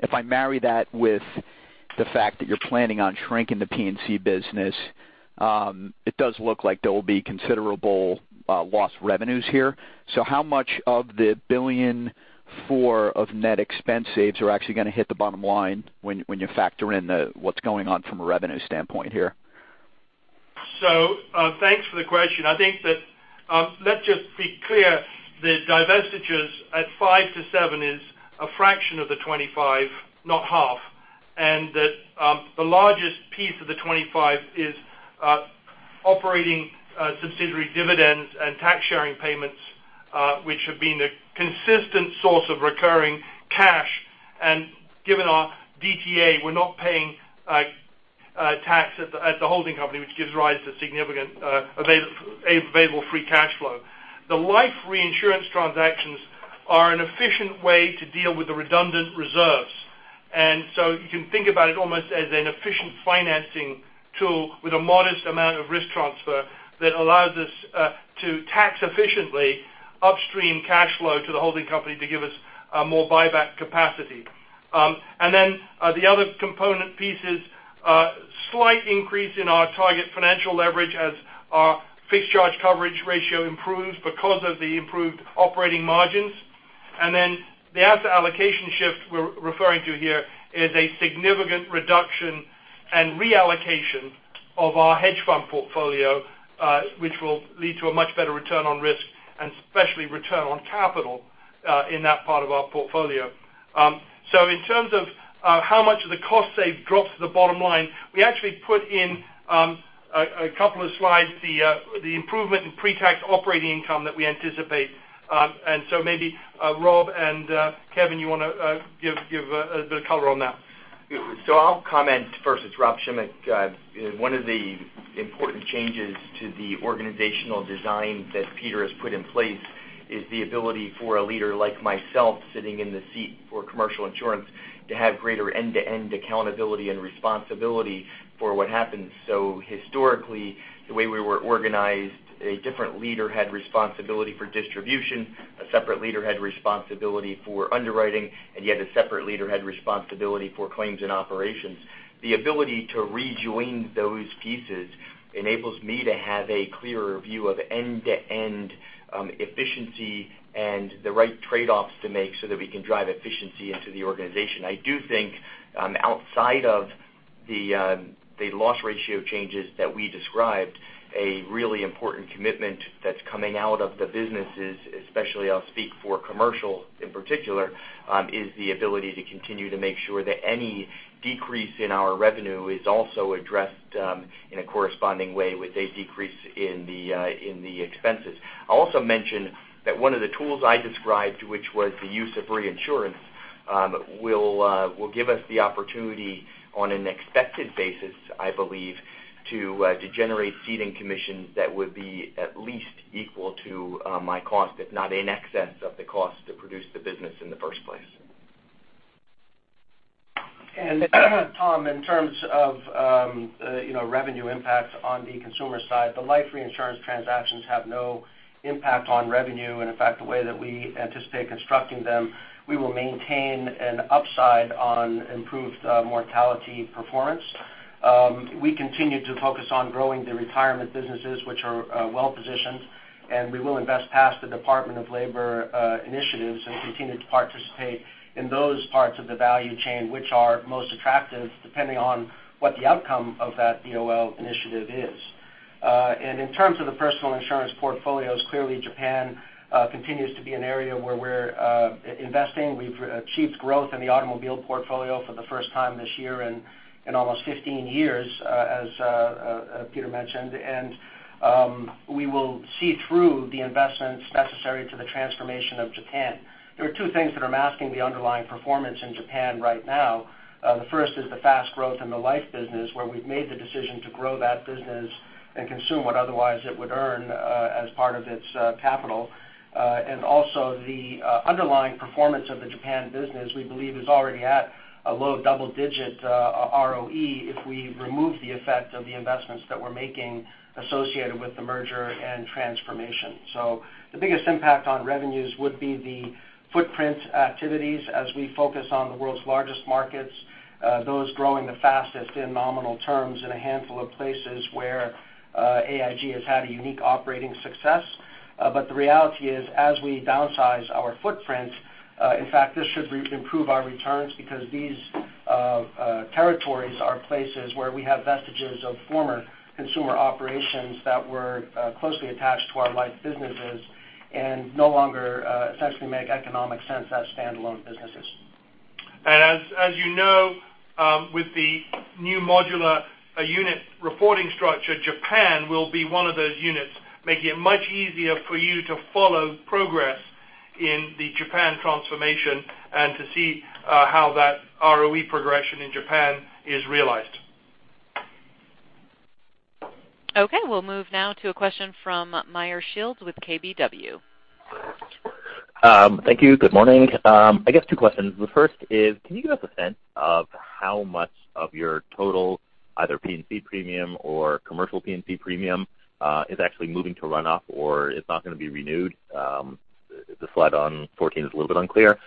If I marry that with the fact that you're planning on shrinking the P&C business, it does look like there will be considerable lost revenues here. How much of the $1.4 billion of net expense saves are actually going to hit the bottom line when you factor in what's going on from a revenue standpoint here? Thanks for the question. I think that, let's just be clear, the divestitures at $5 billion-$7 billion is a fraction of the $25 billion, not half, and that the largest piece of the $25 billion is operating subsidiary dividends and tax-sharing payments, which have been a consistent source of recurring cash. Given our DTA, we're not paying tax at the holding company, which gives rise to significant available free cash flow. The life reinsurance transactions are an efficient way to deal with the redundant reserves. You can think about it almost as an efficient financing tool with a modest amount of risk transfer that allows us to tax efficiently upstream cash flow to the holding company to give us more buyback capacity. The other component piece is a slight increase in our target financial leverage as our fixed charge coverage ratio improves because of the improved operating margins. The asset allocation shift we're referring to here is a significant reduction and reallocation of our hedge fund portfolio, which will lead to a much better return on risk and especially return on capital, in that part of our portfolio. In terms of how much of the cost save drops to the bottom line, we actually put in a couple of slides, the improvement in pre-tax operating income that we anticipate. Maybe Rob and Kevin, you want to give a bit of color on that? I'll comment first. It's Rob Schimek. One of the important changes to the organizational design that Peter has put in place is the ability for a leader like myself sitting in the seat for commercial insurance to have greater end-to-end accountability and responsibility for what happens. Historically, the way we were organized, a different leader had responsibility for distribution, a separate leader had responsibility for underwriting, and yet a separate leader had responsibility for claims and operations. The ability to rejoin those pieces enables me to have a clearer view of end-to-end efficiency and the right trade-offs to make so that we can drive efficiency into the organization. I do think outside of the loss ratio changes that we described, a really important commitment that's coming out of the businesses, especially I'll speak for commercial in particular, is the ability to continue to make sure that any decrease in our revenue is also addressed in a corresponding way with a decrease in the expenses. I'll also mention that one of the tools I described, which was the use of reinsurance, will give us the opportunity on an expected basis, I believe, to generate ceding commissions that would be at least equal to my cost, if not in excess of the cost to produce the business in the first place. Tom, in terms of revenue impact on the consumer side, the life reinsurance transactions have no impact on revenue. In fact, the way that we anticipate constructing them, we will maintain an upside on improved mortality performance. We continue to focus on growing the retirement businesses, which are well-positioned, and we will invest past the Department of Labor initiatives and continue to participate in those parts of the value chain which are most attractive, depending on what the outcome of that DOL initiative is. In terms of the personal insurance portfolios, clearly Japan continues to be an area where we're investing. We've achieved growth in the automobile portfolio for the first time this year in almost 15 years, as Peter mentioned. We will see through the investments necessary to the transformation of Japan. There are two things that are masking the underlying performance in Japan right now. The first is the fast growth in the life business, where we've made the decision to grow that business and consume what otherwise it would earn as part of its cash- capital. Also the underlying performance of the Japan business, we believe is already at a low double-digit ROE if we remove the effect of the investments that we're making associated with the merger and transformation. The biggest impact on revenues would be the footprint activities as we focus on the world's largest markets, those growing the fastest in nominal terms in a handful of places where AIG has had a unique operating success. The reality is, as we downsize our footprint, in fact, this should improve our returns because these territories are places where we have vestiges of former consumer operations that were closely attached to our life businesses and no longer essentially make economic sense as standalone businesses. As you know, with the new modular unit reporting structure, Japan will be one of those units, making it much easier for you to follow progress in the Japan transformation and to see how that ROE progression in Japan is realized. Okay. We'll move now to a question from Meyer Shields with KBW. Thank you. Good morning. I guess two questions. The first is, can you give us a sense of how much of your total either P&C premium or commercial P&C premium is actually moving to run-off, or it's not going to be renewed? The slide on 14 is a little bit unclear.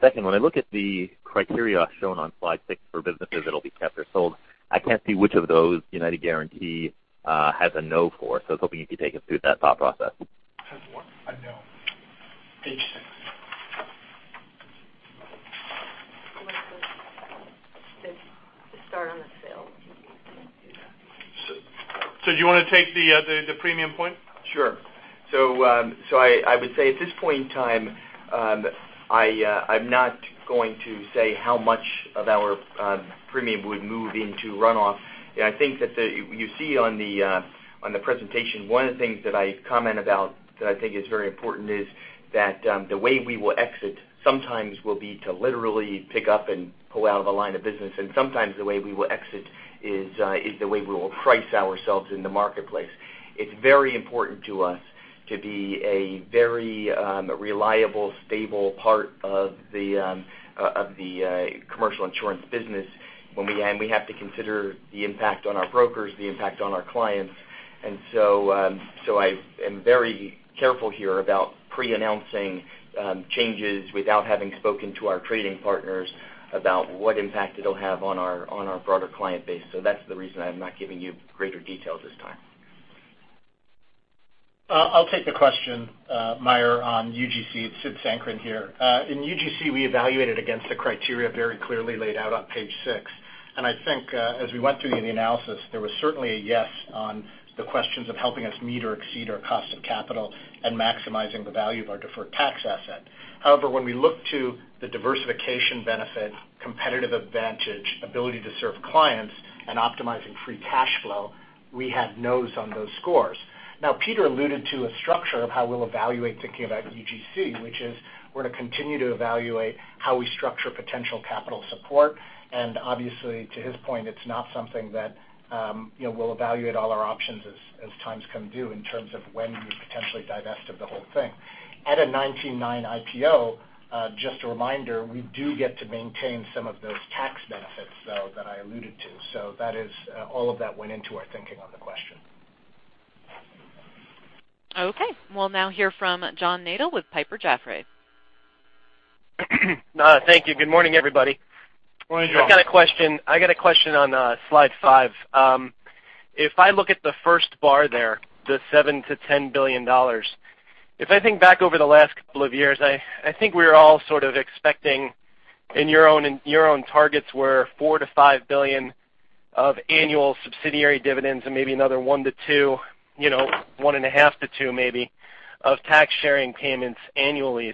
Second, when I look at the criteria shown on slide six for businesses that will be kept or sold, I can't see which of those United Guaranty has a no for. I was hoping you could take us through that thought process. Has what? A no. Page six. You want to start on the sale and then do that. Do you want to take the premium point? Sure. I would say at this point in time, I'm not going to say how much of our premium would move into run-off. I think that you see on the presentation, one of the things that I comment about that I think is very important is that the way we will exit sometimes will be to literally pick up and pull out of a line of business, and sometimes the way we will exit is the way we will price ourselves in the marketplace. It's very important to us to be a very reliable, stable part of the commercial insurance business. We have to consider the impact on our brokers, the impact on our clients. I am very careful here about pre-announcing changes without having spoken to our trading partners about what impact it'll have on our broader client base. That's the reason I'm not giving you greater details this time. I'll take the question, Meyer, on UGC. It's Sid Sankaran here. In UGC, we evaluated against the criteria very clearly laid out on page six. I think as we went through in the analysis, there was certainly a yes on the questions of helping us meet or exceed our cost of capital and maximizing the value of our deferred tax asset. However, when we look to the diversification benefit, competitive advantage, ability to serve clients and optimizing free cash flow, we had no's on those scores. Peter alluded to a structure of how we'll evaluate thinking about UGC, which is we're going to continue to evaluate how we structure potential capital support. Obviously, to his point, it's not something that we'll evaluate all our options as times come due in terms of when we would potentially divest of the whole thing. At a 1999 IPO, just a reminder, we do get to maintain some of those tax benefits, though, that I alluded to. All of that went into our thinking on the question. Okay. We'll now hear from John Nadel with Piper Jaffray. Thank you. Good morning, everybody. Morning, John. I got a question on slide five. If I look at the first bar there, the $7 billion-$10 billion, if I think back over the last couple of years, I think we were all sort of expecting in your own targets were $4 billion-$5 billion of annual subsidiary dividends and maybe another one and a half to two, maybe, of tax-sharing payments annually.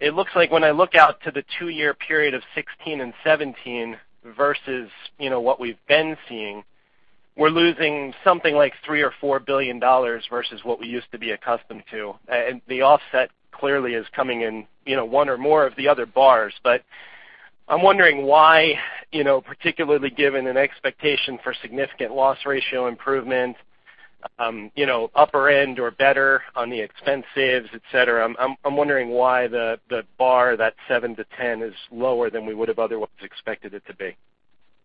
It looks like when I look out to the two-year period of 2016 and 2017 versus what we've been seeing, we're losing something like $3 billion or $4 billion versus what we used to be accustomed to. The offset clearly is coming in one or more of the other bars. I'm wondering why, particularly given an expectation for significant loss ratio improvement, upper end or better on the expense saves, et cetera, I'm wondering why the bar, that seven to 10 is lower than we would have otherwise expected it to be.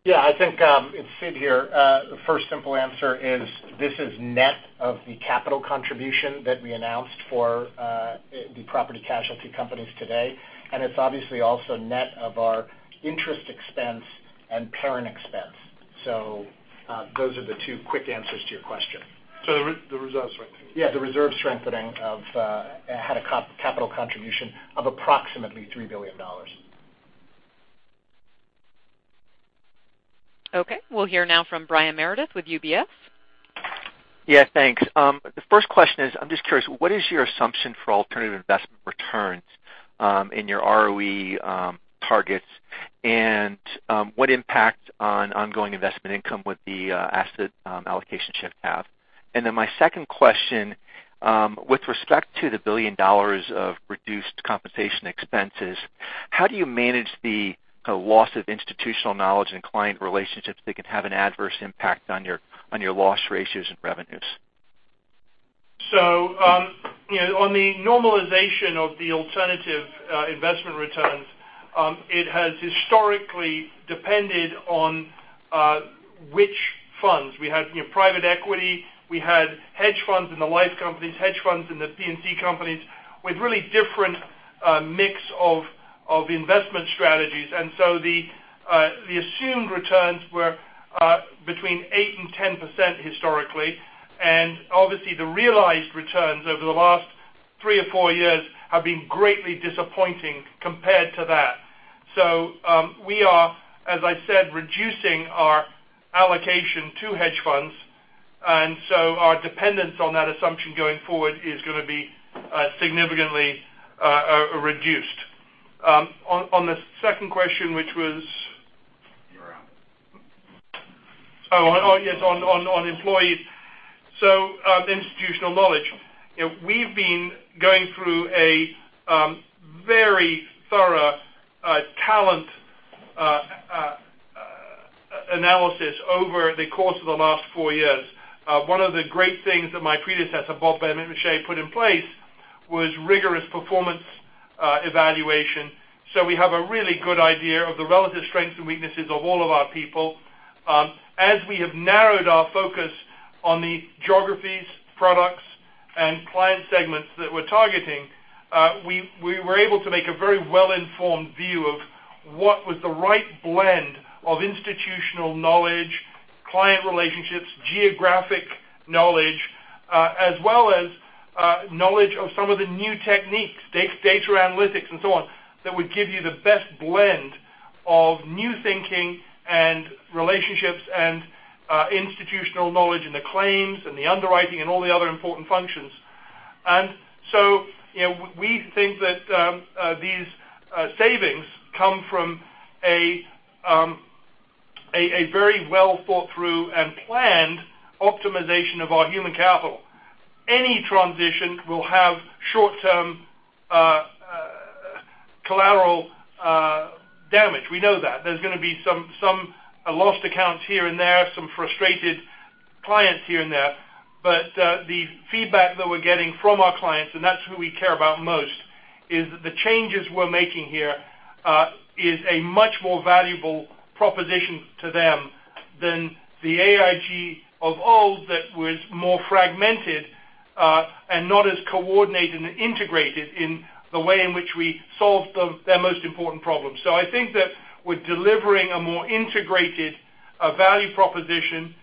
It's Sid here. First simple answer is this is net of the capital contribution that we announced for the property casualty companies today, and it's obviously also net of our interest expense and parent expense. Those are the two quick answers to your question. The reserve strengthening. The reserve strengthening had a capital contribution of approximately $3 billion. Okay. We will hear now from Brian Meredith with UBS. Yeah, thanks. The first question is, I am just curious, what is your assumption for alternative investment returns in your ROE targets, and what impact on ongoing investment income would the asset allocation shift have? My second question, with respect to the $1 billion of reduced compensation expenses, how do you manage the loss of institutional knowledge and client relationships that can have an adverse impact on your loss ratios and revenues? On the normalization of the alternative investment returns, it has historically depended on which funds. We had private equity, we had hedge funds in the life companies, hedge funds in the P&C companies with really different mix of investment strategies. The assumed returns were between 8% and 10% historically. Obviously the realized returns over the last three or four years have been greatly disappointing compared to that. We are, as I said, reducing our allocation to hedge funds, and so our dependence on that assumption going forward is going to be significantly reduced. On the second question, which was? Your employees. Oh, yes, on employees. Institutional knowledge. We've been going through a very thorough talent analysis over the course of the last four years. One of the great things that my predecessor, Robert Benmosche, put in place was rigorous performance evaluation. We have a really good idea of the relative strengths and weaknesses of all of our people. As we have narrowed our focus on the geographies, products, and client segments that we're targeting, we were able to make a very well-informed view of what was the right blend of institutional knowledge, client relationships, geographic knowledge, as well as knowledge of some of the new techniques, data analytics and so on, that would give you the best blend of new thinking and relationships and institutional knowledge in the claims and the underwriting and all the other important functions. We think that these savings come from a very well thought through and planned optimization of our human capital. Any transition will have short-term collateral damage. We know that. There's going to be some lost accounts here and there, some frustrated clients here and there. The feedback that we're getting from our clients, and that's who we care about most, is that the changes we're making here is a much more valuable proposition to them than the AIG of old that was more fragmented and not as coordinated and integrated in the way in which we solved their most important problems. I think that we're delivering a more integrated value proposition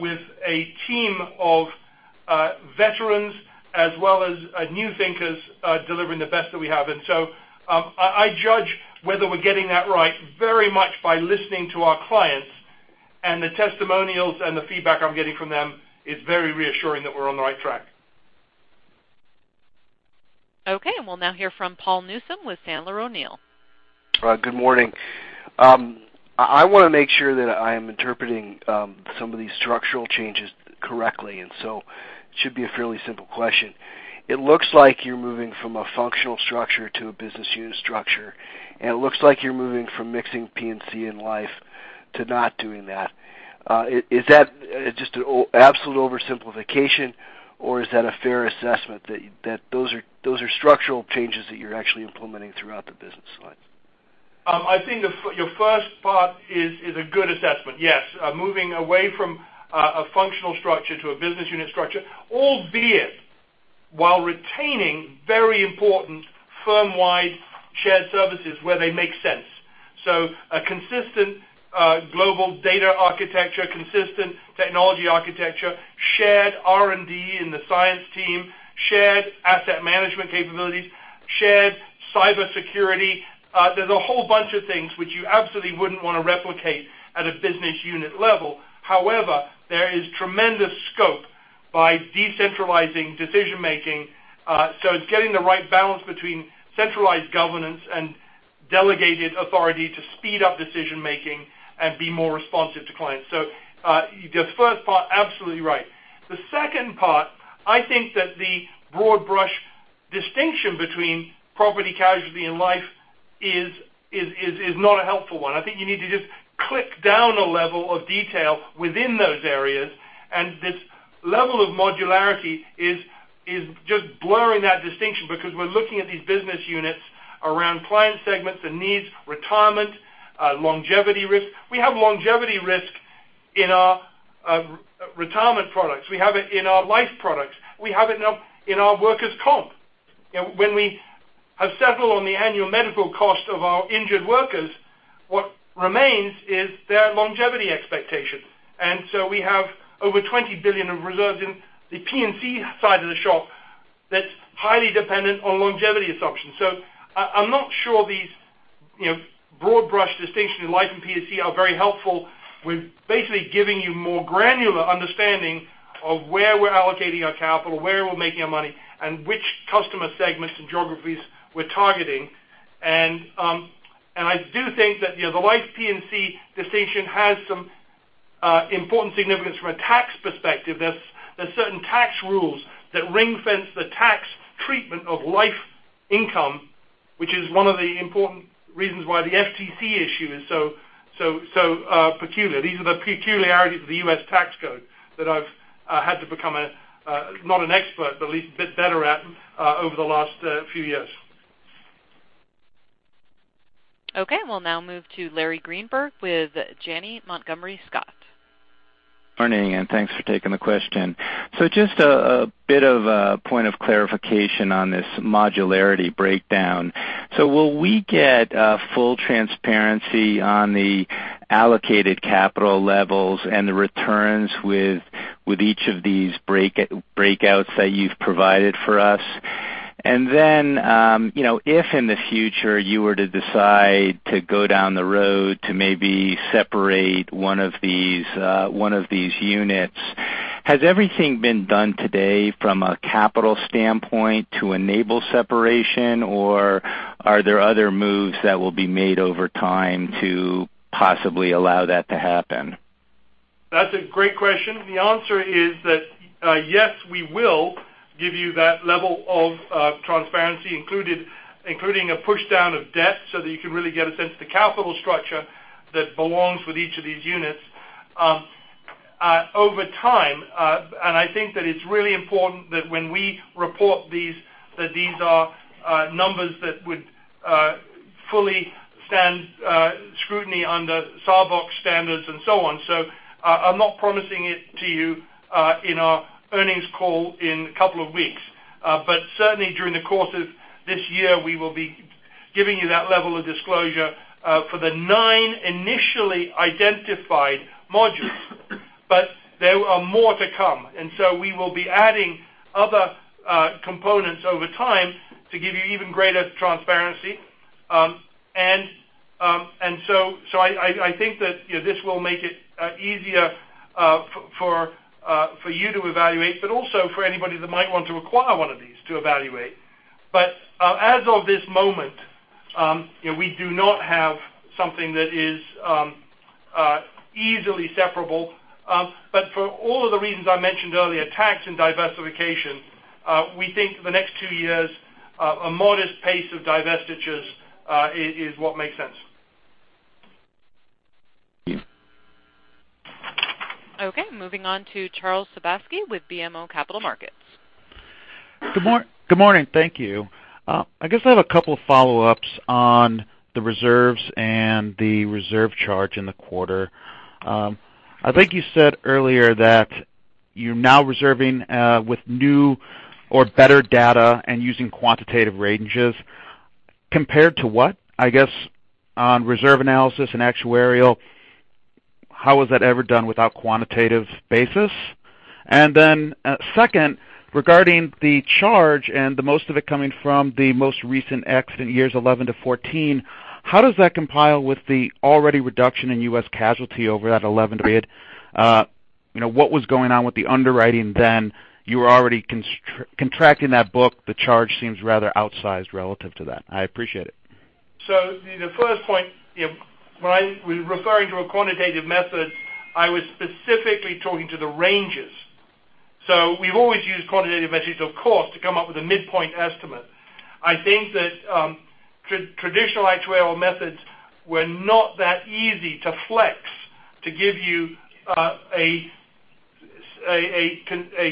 with a team of veterans as well as new thinkers delivering the best that we have. I judge whether we're getting that right very much by listening to our clients, and the testimonials and the feedback I'm getting from them is very reassuring that we're on the right track. Okay. We'll now hear from Paul Newsome with Sandler O'Neill. Good morning. I want to make sure that I am interpreting some of these structural changes correctly. It should be a fairly simple question. It looks like you're moving from a functional structure to a business unit structure, and it looks like you're moving from mixing P&C and life to not doing that. Is that just an absolute oversimplification, or is that a fair assessment that those are structural changes that you're actually implementing throughout the business lines? I think your first part is a good assessment. Yes, moving away from a functional structure to a business unit structure, albeit while retaining very important firm-wide shared services where they make sense. A consistent global data architecture, consistent technology architecture, shared R&D in the science team, shared asset management capabilities, shared cybersecurity. There's a whole bunch of things which you absolutely wouldn't want to replicate at a business unit level. However, there is tremendous scope by decentralizing decision-making. It's getting the right balance between centralized governance and delegated authority to speed up decision making and be more responsive to clients. Your first part, absolutely right. The second part, I think that the broad brush distinction between property casualty and life is not a helpful one. I think you need to just click down a level of detail within those areas, this level of modularity is just blurring that distinction because we're looking at these business units around client segments and needs retirement, longevity risk. We have longevity risk in our retirement products. We have it in our life products. We have it in our workers' comp. When we have settled on the annual medical cost of our injured workers, what remains is their longevity expectations. We have over $20 billion of reserves in the P&C side of the shop that's highly dependent on longevity assumptions. I'm not sure these broad brush distinctions in life and P&C are very helpful. We're basically giving you more granular understanding of where we're allocating our capital, where we're making our money, and which customer segments and geographies we're targeting. I do think that the life P&C distinction has some important significance from a tax perspective. There's certain tax rules that ring-fence the tax treatment of life income Which is one of the important reasons why the FTC issue is so peculiar. These are the peculiarities of the U.S. tax code that I've had to become, not an expert, but at least a bit better at over the last few years. Okay. We'll now move to Larry Greenberg with Janney Montgomery Scott. Morning, thanks for taking the question. Just a bit of a point of clarification on this modularity breakdown. Will we get full transparency on the allocated capital levels and the returns with each of these breakouts that you've provided for us? If in the future you were to decide to go down the road to maybe separate one of these units, has everything been done today from a capital standpoint to enable separation, or are there other moves that will be made over time to possibly allow that to happen? That's a great question. The answer is that, yes, we will give you that level of transparency, including a push down of debt so that you can really get a sense of the capital structure that belongs with each of these units. Over time, I think that it's really important that when we report these, that these are numbers that would fully stand scrutiny under Sarbox standards and so on. I'm not promising it to you in our earnings call in a couple of weeks. Certainly during the course of this year, we will be giving you that level of disclosure for the nine initially identified modules. There are more to come. We will be adding other components over time to give you even greater transparency. I think that this will make it easier for you to evaluate, but also for anybody that might want to acquire one of these to evaluate. As of this moment we do not have something that is easily separable. For all of the reasons I mentioned earlier, tax and diversification, we think the next two years a modest pace of divestitures is what makes sense. Thanks. Okay. Moving on to Charles Sebaski with BMO Capital Markets. Good morning. Thank you. I guess I have a couple of follow-ups on the reserves and the reserve charge in the quarter. I think you said earlier that you're now reserving with new or better data and using quantitative ranges. Compared to what? I guess on reserve analysis and actuarial, how was that ever done without quantitative basis? Second, regarding the charge and the most of it coming from the most recent accident years 2011-2014, how does that compile with the already reduction in U.S. casualty over that 2011 period? What was going on with the underwriting then? You were already contracting that book. The charge seems rather outsized relative to that. I appreciate it. The first point when I was referring to a quantitative method, I was specifically talking to the ranges. We've always used quantitative methods of course, to come up with a midpoint estimate. I think that traditional actuarial methods were not that easy to flex to give you a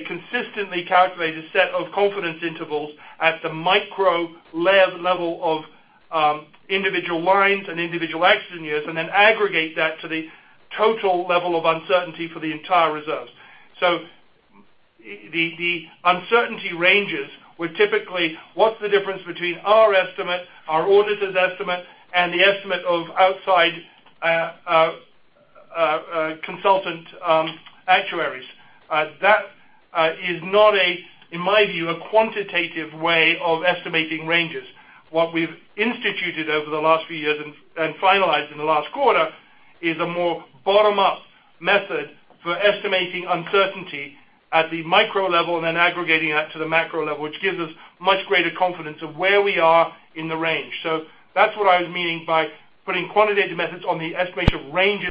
consistently calculated set of confidence intervals at the micro level of individual lines and individual accident years, and then aggregate that to the total level of uncertainty for the entire reserves. The uncertainty ranges were typically what's the difference between our estimate, our auditor's estimate, and the estimate of outside consultant actuaries? That is not in my view, a quantitative way of estimating ranges. What we've instituted over the last few years and finalized in the last quarter is a more bottom-up method for estimating uncertainty at the micro level and then aggregating that to the macro level, which gives us much greater confidence of where we are in the range. That's what I was meaning by putting quantitative methods on the estimation ranges.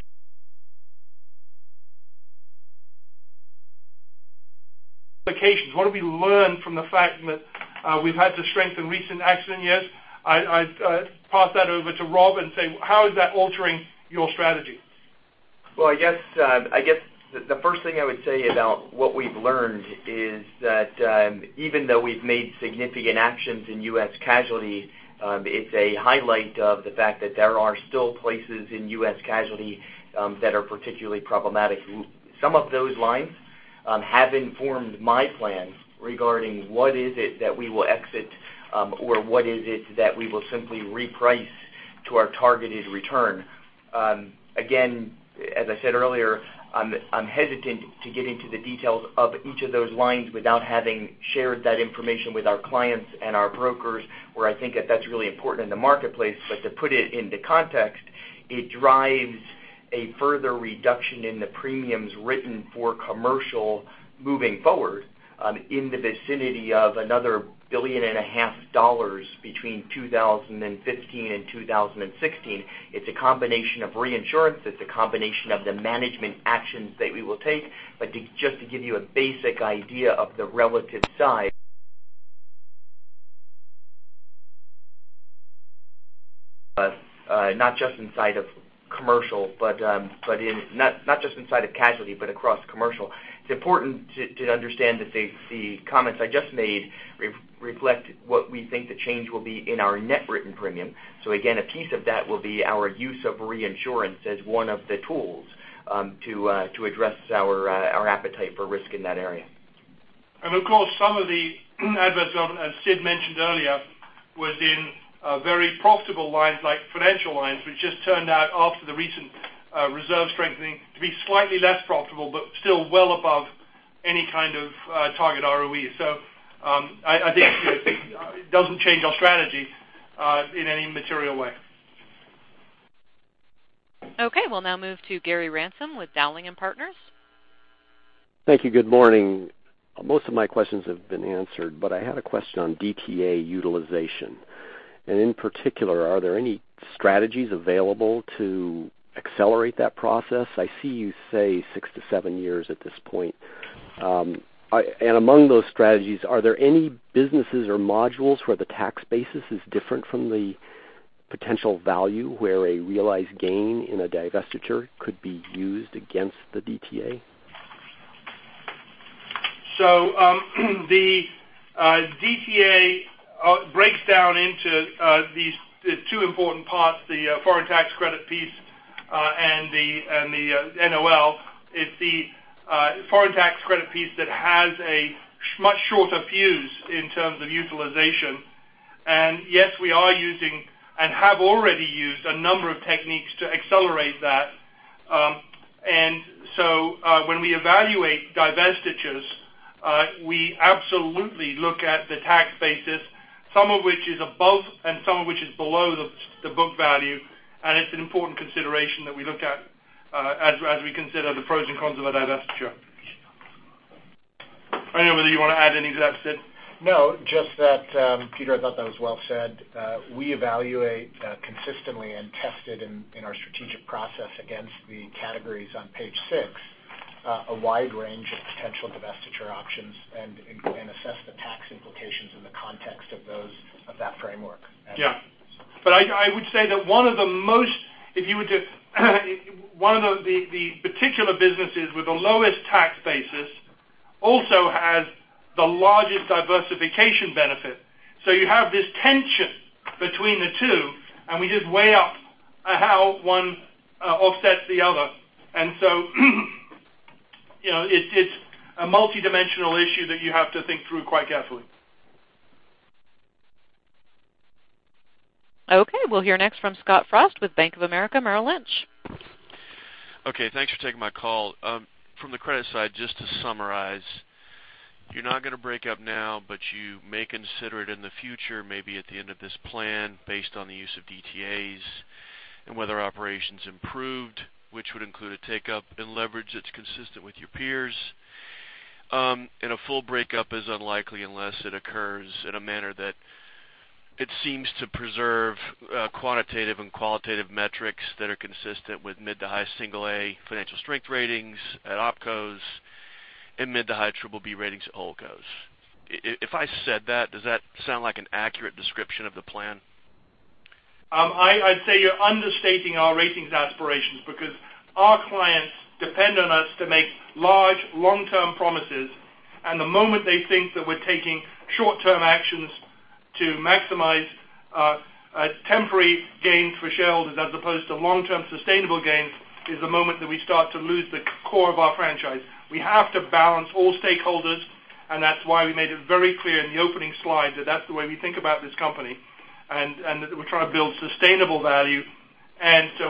Implications. What have we learned from the fact that we've had to strengthen recent accident years? I pass that over to Rob and say, how is that altering your strategy? I guess the first thing I would say about what we've learned is that even though we've made significant actions in U.S. casualty, it's a highlight of the fact that there are still places in U.S. casualty that are particularly problematic. Some of those lines have informed my plan regarding what is it that we will exit, or what is it that we will simply reprice to our targeted return. Again, as I said earlier, I'm hesitant to get into the details of each of those lines without having shared that information with our clients and our brokers, where I think that's really important in the marketplace. To put it into context, it drives a further reduction in the premiums written for commercial moving forward in the vicinity of another billion and a half dollars between 2015 and 2016. It's a combination of reinsurance. It's a combination of the management actions that we will take. Just to give you a basic idea of the relative size not just inside of casualty, but across commercial. It's important to understand that the comments I just made reflect what we think the change will be in our net written premium. Again, a piece of that will be our use of reinsurance as one of the tools to address our appetite for risk in that area. Of course, some of the adverse development, as Sid mentioned earlier, was in very profitable lines like financial lines, which just turned out after the recent reserve strengthening to be slightly less profitable, but still well above any kind of target ROE. I think it doesn't change our strategy in any material way. Okay, we'll now move to Gary Ransom with Dowling & Partners. Thank you. Good morning. Most of my questions have been answered. I had a question on DTA utilization. In particular, are there any strategies available to accelerate that process? I see you say 6 to 7 years at this point. Among those strategies, are there any businesses or modules where the tax basis is different from the potential value where a realized gain in a divestiture could be used against the DTA? The DTA breaks down into these two important parts, the foreign tax credit piece and the NOL. It's the foreign tax credit piece that has a much shorter fuse in terms of utilization. Yes, we are using and have already used a number of techniques to accelerate that. When we evaluate divestitures, we absolutely look at the tax basis, some of which is above and some of which is below the book value. It's an important consideration that we look at as we consider the pros and cons of a divestiture. I don't know whether you want to add any to that, Sid. No, just that, Peter, I thought that was well said. We evaluate consistently and tested in our strategic process against the categories on page six a wide range of potential divestiture options and assess the tax implications in the context of that framework. Yeah. I would say that one of the particular businesses with the lowest tax basis also has the largest diversification benefit. You have this tension between the two, and we just weigh up how one offsets the other. It's a multidimensional issue that you have to think through quite carefully. Okay, we'll hear next from Scott Frost with Bank of America Merrill Lynch. Okay, thanks for taking my call. From the credit side, just to summarize, you're not going to break up now, but you may consider it in the future, maybe at the end of this plan based on the use of DTAs and whether operations improved, which would include a take-up in leverage that's consistent with your peers. A full breakup is unlikely unless it occurs in a manner that it seems to preserve quantitative and qualitative metrics that are consistent with mid to high single A financial strength ratings at OpCos and mid to high triple B ratings at HoldCos. If I said that, does that sound like an accurate description of the plan? I'd say you're understating our ratings aspirations because our clients depend on us to make large long-term promises. The moment they think that we're taking short-term actions to maximize temporary gains for shareholders as opposed to long-term sustainable gains is the moment that we start to lose the core of our franchise. We have to balance all stakeholders. That's why we made it very clear in the opening slide that that's the way we think about this company. That we're trying to build sustainable value.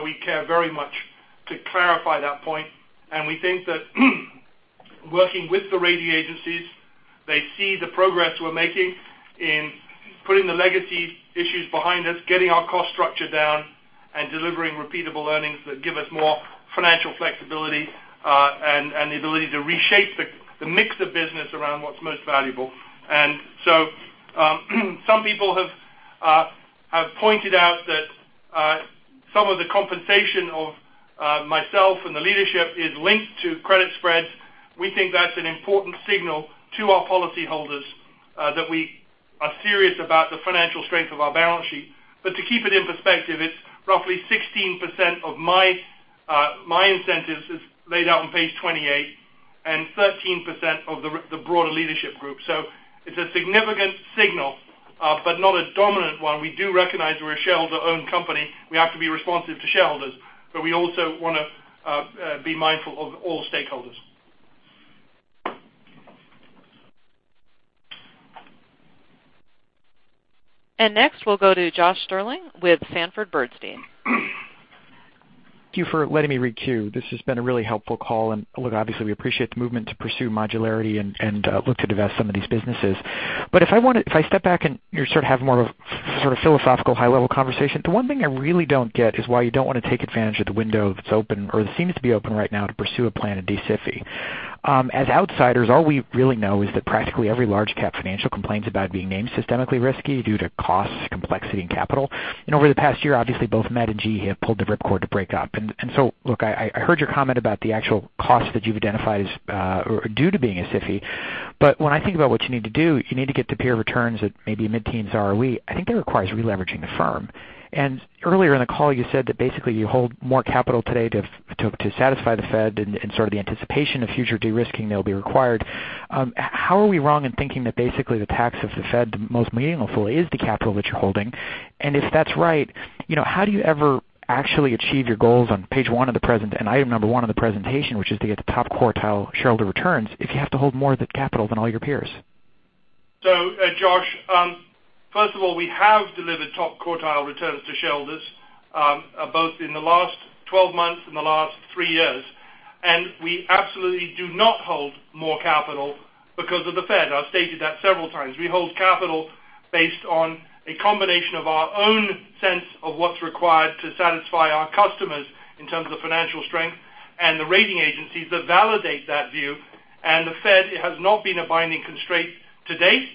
We care very much to clarify that point. We think that working with the rating agencies, they see the progress we're making in putting the legacy issues behind us, getting our cost structure down, delivering repeatable earnings that give us more financial flexibility, the ability to reshape the mix of business around what's most valuable. Some people have pointed out that some of the compensation of myself and the leadership is linked to credit spreads. We think that's an important signal to our policy holders that we are serious about the financial strength of our balance sheet. To keep it in perspective, it's roughly 16% of my incentives is laid out on page 28 and 13% of the broader leadership group. It's a significant signal, but not a dominant one. We do recognize we're a shareholder-owned company. We have to be responsive to shareholders. We also want to be mindful of all stakeholders. Next, we'll go to Josh Stirling with Sanford Bernstein. Thank you for letting me re-queue. This has been a really helpful call. We appreciate the movement to pursue modularity and look to divest some of these businesses. If I step back and you sort of have more of a philosophical high-level conversation, the one thing I really don't get is why you don't want to take advantage of the window that's open or that seems to be open right now to pursue a plan in de-SIFI. As outsiders, all we really know is that practically every large cap financial complains about being named systemically risky due to cost, complexity, and capital. Over the past year, both Met and GE have pulled the rip cord to break up. I heard your comment about the actual cost that you've identified as due to being a SIFI. When I think about what you need to do, you need to get to peer returns at maybe mid-teens ROE. I think that requires releveraging the firm. Earlier in the call, you said that you hold more capital today to satisfy the Fed and sort of the anticipation of future de-risking that will be required. How are we wrong in thinking that the tax of the Fed most meaningfully is the capital that you're holding? If that's right, how do you ever actually achieve your goals on page one of the present and item number one on the presentation, which is to get the top quartile shareholder returns if you have to hold more of the capital than all your peers? Josh, first of all, we have delivered top quartile returns to shareholders, both in the last 12 months and the last three years. We absolutely do not hold more capital because of the Fed. I've stated that several times. We hold capital based on a combination of our own sense of what's required to satisfy our customers in terms of financial strength and the rating agencies that validate that view. The Fed has not been a binding constraint to date,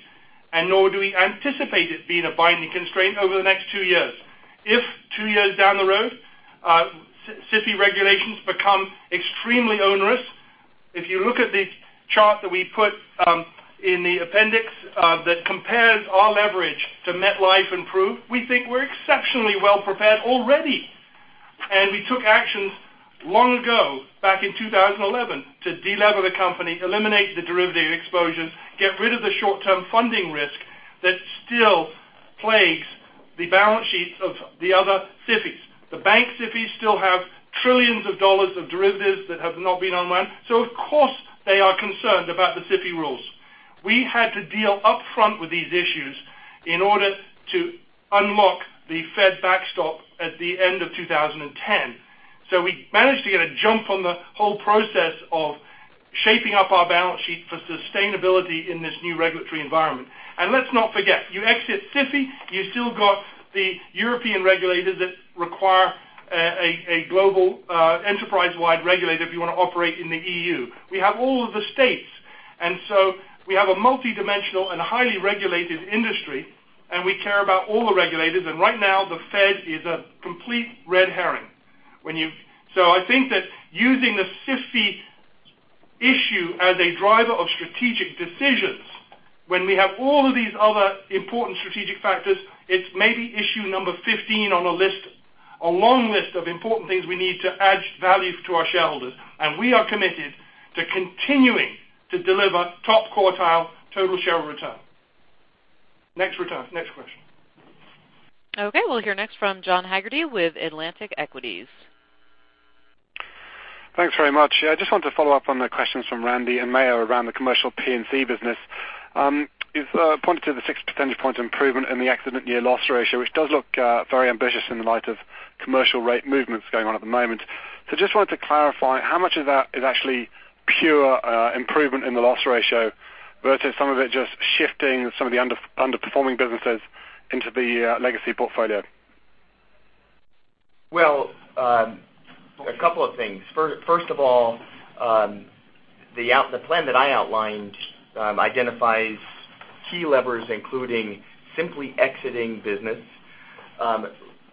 nor do we anticipate it being a binding constraint over the next two years. If two years down the road, SIFI regulations become extremely onerous. If you look at the chart that we put in the appendix that compares our leverage to MetLife and Prudential, we think we're exceptionally well-prepared already. We took actions long ago, back in 2011, to de-lever the company, eliminate the derivative exposures, get rid of the short-term funding risk that still plagues the balance sheets of the other SIFIs. The bank SIFIs still have trillions of dollars of derivatives that have not been cleared, so of course, they are concerned about the SIFI rules. We had to deal up front with these issues in order to unlock the Fed backstop at the end of 2010. We managed to get a jump on the whole process of shaping up our balance sheet for sustainability in this new regulatory environment. Let's not forget, you exit SIFI, you still got the European regulators that require a global enterprise-wide regulator if you want to operate in the EU. We have all of the states, and so we have a multidimensional and highly regulated industry, and we care about all the regulators. Right now, the Fed is a complete red herring. I think that using the SIFI issue as a driver of strategic decisions when we have all of these other important strategic factors, it's maybe issue number 15 on a long list of important things we need to add value to our shareholders. We are committed to continuing to deliver top quartile total share return. Next return. Next question. Okay. We'll hear next from John Heagerty with Atlantic Equities. Thanks very much. I just want to follow up on the questions from Randy and Meyer around the commercial P&C business. You've pointed to the six percentage point improvement in the accident year loss ratio, which does look very ambitious in light of commercial rate movements going on at the moment. Just wanted to clarify, how much of that is actually pure improvement in the loss ratio versus some of it just shifting some of the underperforming businesses into the legacy portfolio? Well, a couple of things. First of all, the plan that I outlined identifies key levers, including simply exiting business,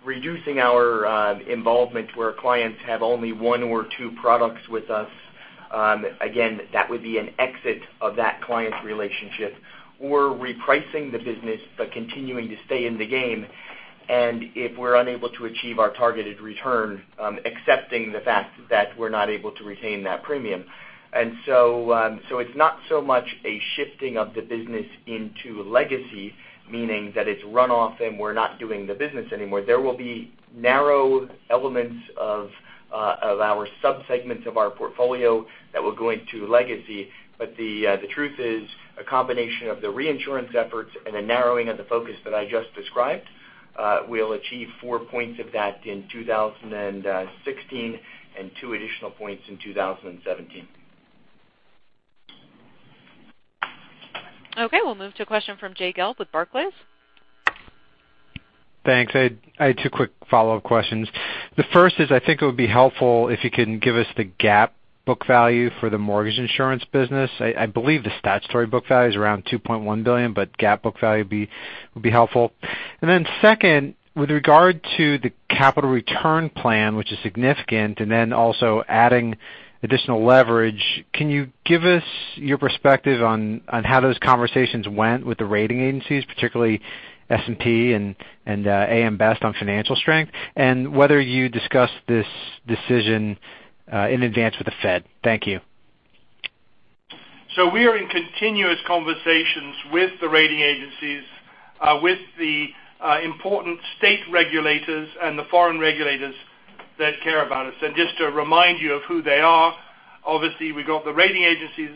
reducing our involvement where clients have only one or two products with us. Again, that would be an exit of that client's relationship. Repricing the business but continuing to stay in the game. If we're unable to achieve our targeted return, accepting the fact that we're not able to retain that premium. It's not so much a shifting of the business into legacy, meaning that it's run off and we're not doing the business anymore. There will be narrow elements of our sub-segments of our portfolio that will go into legacy. The truth is, a combination of the reinsurance efforts and a narrowing of the focus that I just described will achieve four points of that in 2016 and two additional points in 2017. Okay. We'll move to a question from Jay Gelb with Barclays. Thanks. I had two quick follow-up questions. The first is, I think it would be helpful if you can give us the GAAP book value for the mortgage insurance business. I believe the statutory book value is around $2.1 billion, GAAP book value would be helpful. Second, with regard to the capital return plan, which is significant, and then also adding additional leverage, can you give us your perspective on how those conversations went with the rating agencies, particularly S&P and AM Best on financial strength, and whether you discussed this decision in advance with the Fed? Thank you. We are in continuous conversations with the rating agencies, with the important state regulators and the foreign regulators that care about us. Just to remind you of who they are, obviously we got the rating agencies,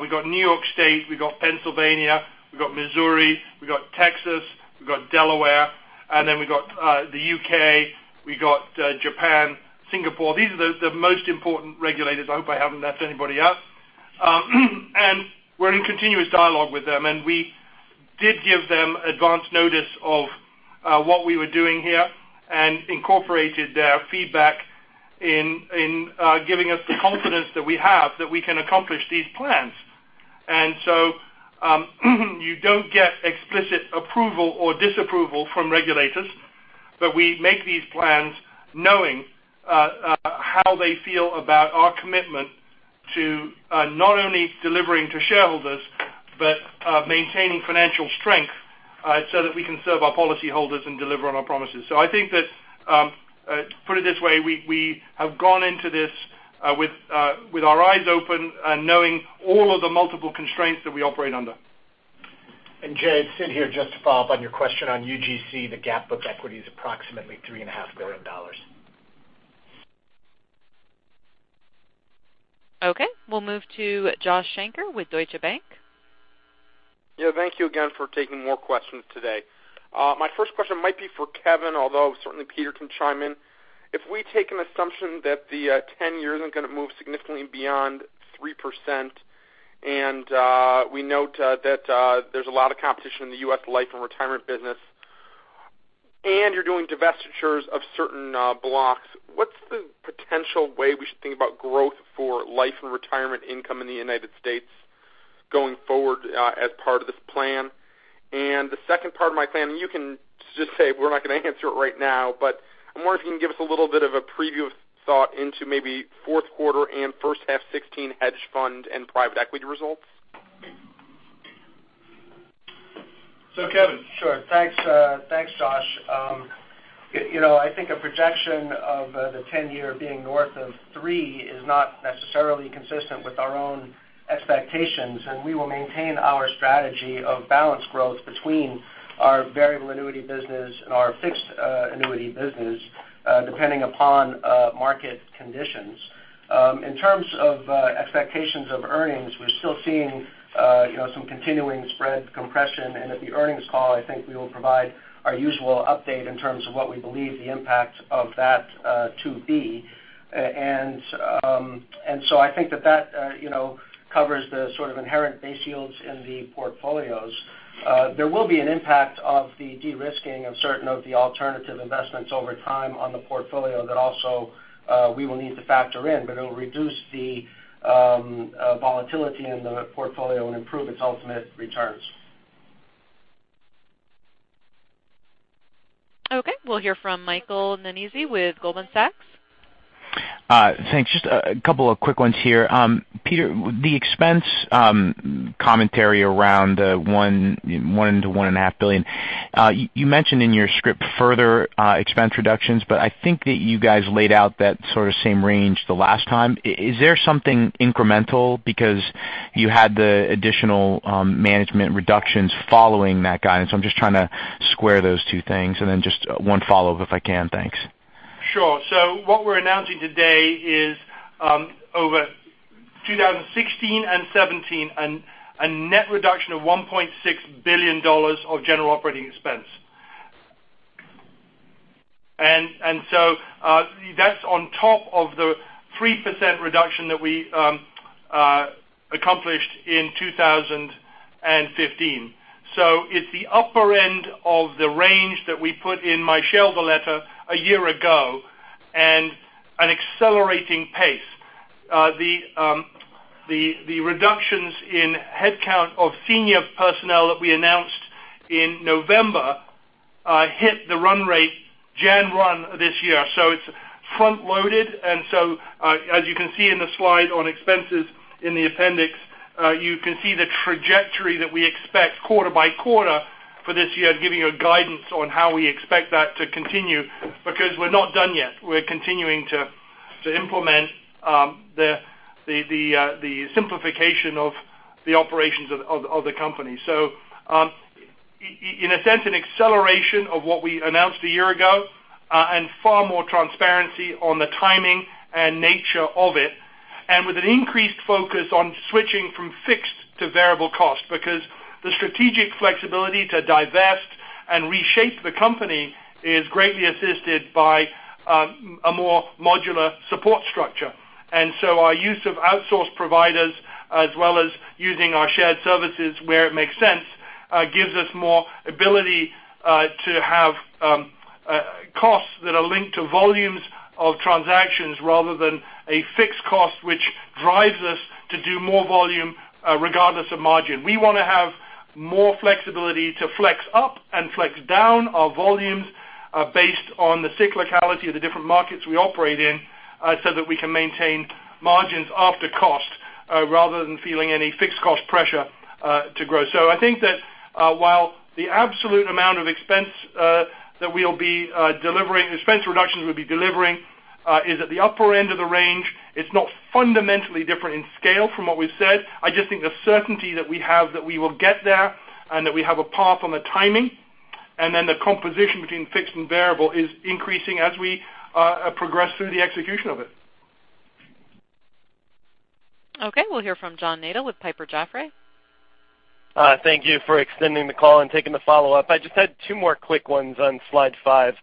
we got New York State, we got Pennsylvania, we got Missouri, we got Texas, we got Delaware, and then we got the U.K., we got Japan, Singapore. These are the most important regulators. I hope I haven't left anybody out. We're in continuous dialogue with them, and we did give them advance notice of what we were doing here and incorporated their feedback in giving us the confidence that we have that we can accomplish these plans. You don't get explicit approval or disapproval from regulators We make these plans knowing how they feel about our commitment to not only delivering to shareholders but maintaining financial strength so that we can serve our policyholders and deliver on our promises. I think that, put it this way, we have gone into this with our eyes open and knowing all of the multiple constraints that we operate under. Jay, Sid here, just to follow up on your question on UGC, the GAAP equity is approximately $3.5 billion. Okay. We'll move to Josh Shanker with Deutsche Bank. Yeah. Thank you again for taking more questions today. My first question might be for Kevin, although certainly Peter can chime in. If we take an assumption that the 10-year isn't going to move significantly beyond 3%, and we note that there's a lot of competition in the U.S. life and retirement business, and you're doing divestitures of certain blocks, what's the potential way we should think about growth for life and retirement income in the United States going forward as part of this plan? The second part of my plan, you can just say, "We're not going to answer it right now," but I'm wondering if you can give us a little bit of a preview of thought into maybe fourth quarter and first half 2016 hedge fund and private equity results. Kevin. Sure. Thanks, Josh. I think a projection of the 10-year being north of three is not necessarily consistent with our own expectations. We will maintain our strategy of balanced growth between our variable annuity business and our fixed annuity business, depending upon market conditions. In terms of expectations of earnings, we're still seeing some continuing spread compression. At the earnings call, I think we will provide our usual update in terms of what we believe the impact of that to be. I think that covers the sort of inherent base yields in the portfolios. There will be an impact of the de-risking of certain of the alternative investments over time on the portfolio that also we will need to factor in, but it'll reduce the volatility in the portfolio and improve its ultimate returns. Okay. We'll hear from Michael Nannizzi with Goldman Sachs. Thanks. Just a couple of quick ones here. Peter, the expense commentary around $1 billion-$1.5 billion. You mentioned in your script further expense reductions, I think that you guys laid out that sort of same range the last time. Is there something incremental because you had the additional management reductions following that guidance? I'm just trying to square those two things. Just one follow-up if I can. Thanks. Sure. What we're announcing today is over 2016 and 2017, a net reduction of $1.6 billion of general operating expense. That's on top of the 3% reduction that we accomplished in 2015. It's the upper end of the range that we put in my shareholder letter a year ago and an accelerating pace. The reductions in headcount of senior personnel that we announced in November hit the run rate January 1 this year. It's front-loaded, as you can see in the slide on expenses in the appendix, you can see the trajectory that we expect quarter by quarter for this year, giving you a guidance on how we expect that to continue because we're not done yet. We're continuing to implement the simplification of the operations of the company. In a sense, an acceleration of what we announced a year ago, and far more transparency on the timing and nature of it, and with an increased focus on switching from fixed to variable cost because the strategic flexibility to divest and reshape the company is greatly assisted by a more modular support structure. Our use of outsourced providers, as well as using our shared services where it makes sense, gives us more ability to have costs that are linked to volumes of transactions rather than a fixed cost, which drives us to do more volume regardless of margin. We want to have more flexibility to flex up and flex down our volumes based on the cyclicality of the different markets we operate in so that we can maintain margins after cost rather than feeling any fixed cost pressure to grow. I think that while the absolute amount of expense reduction we'll be delivering is at the upper end of the range, it's not fundamentally different in scale from what we've said. I just think the certainty that we have that we will get there and that we have a path on the timing, and then the composition between fixed and variable is increasing as we progress through the execution of it. Okay. We'll hear from John Nadel with Piper Jaffray. Thank you for extending the call and taking the follow-up. I just had two more quick ones on slide five.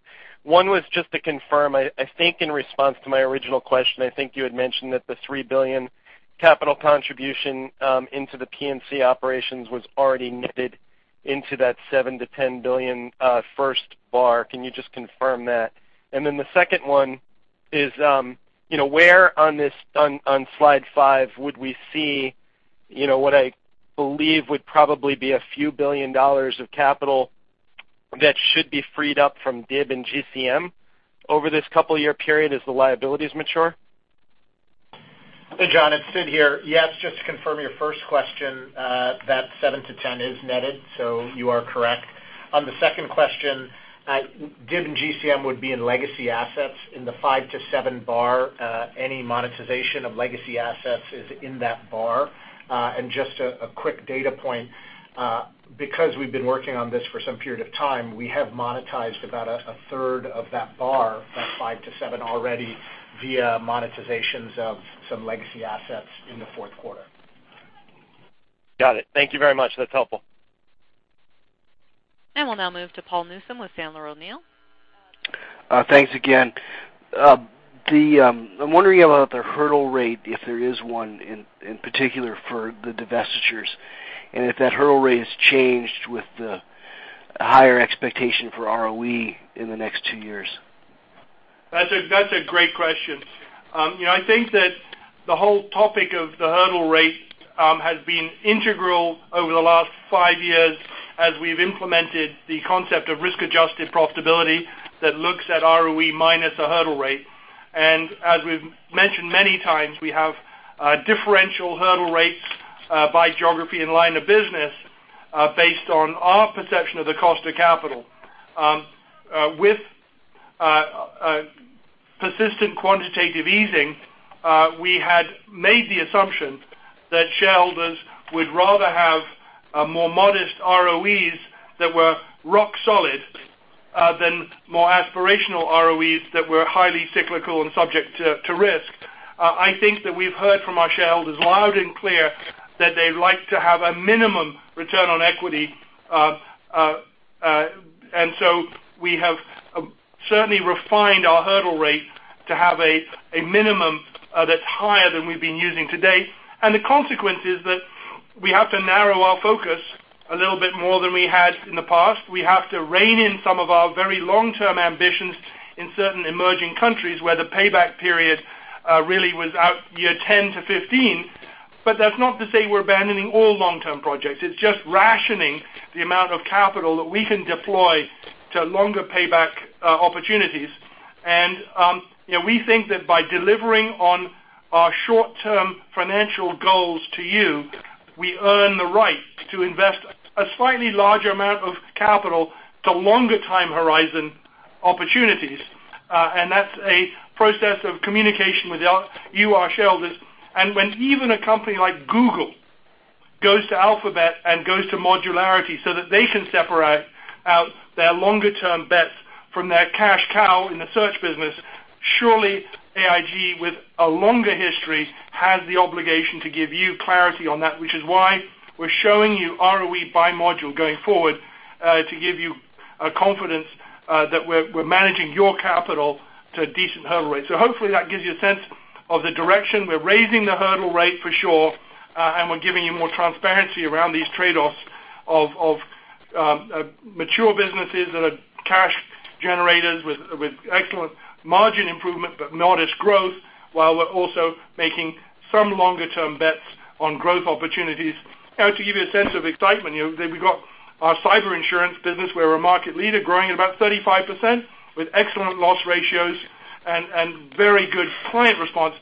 One was just to confirm, I think in response to my original question, I think you had mentioned that the $3 billion capital contribution into the P&C operations was already knitted into that $7 billion-$10 billion first bar. Can you just confirm that? Then the second one is where on slide five would we see You know what I believe would probably be a few billion dollars of capital that should be freed up from DIB and GCM over this couple of year period as the liabilities mature? Hey, John, it's Sid here. Yes, just to confirm your first question, that seven to 10 is netted, so you are correct. On the second question, DIB and GCM would be in legacy assets in the five to seven bar. Any monetization of legacy assets is in that bar. Just a quick data point, because we've been working on this for some period of time, we have monetized about a third of that bar, that five to seven already via monetizations of some legacy assets in the fourth quarter. Got it. Thank you very much. That's helpful. We'll now move to Paul Newsome with Sandler O'Neill. Thanks again. I'm wondering about the hurdle rate, if there is one in particular for the divestitures, and if that hurdle rate has changed with the higher expectation for ROE in the next two years. That's a great question. I think that the whole topic of the hurdle rate has been integral over the last five years as we've implemented the concept of risk-adjusted profitability that looks at ROE minus a hurdle rate. As we've mentioned many times, we have differential hurdle rates by geography and line of business based on our perception of the cost of capital. With persistent quantitative easing, we had made the assumption that shareholders would rather have a more modest ROEs that were rock solid than more aspirational ROEs that were highly cyclical and subject to risk. I think that we've heard from our shareholders loud and clear that they like to have a minimum return on equity. We have certainly refined our hurdle rate to have a minimum that's higher than we've been using to date. The consequence is that we have to narrow our focus a little bit more than we had in the past. We have to rein in some of our very long-term ambitions in certain emerging countries where the payback period really was out year 10 to 15. That's not to say we're abandoning all long-term projects. It's just rationing the amount of capital that we can deploy to longer payback opportunities. We think that by delivering on our short-term financial goals to you, we earn the right to invest a slightly larger amount of capital to longer time horizon opportunities. That's a process of communication with you, our shareholders. When even a company like Google goes to Alphabet and goes to modularity so that they can separate out their longer term bets from their cash cow in the search business, surely AIG, with a longer history, has the obligation to give you clarity on that, which is why we're showing you ROE by module going forward to give you confidence that we're managing your capital to a decent hurdle rate. Hopefully that gives you a sense of the direction. We're raising the hurdle rate for sure, and we're giving you more transparency around these trade-offs of mature businesses that are cash generators with excellent margin improvement but not as growth, while we're also making some longer term bets on growth opportunities. To give you a sense of excitement, we got our cyber insurance business where we're a market leader growing at about 35% with excellent loss ratios and very good client response,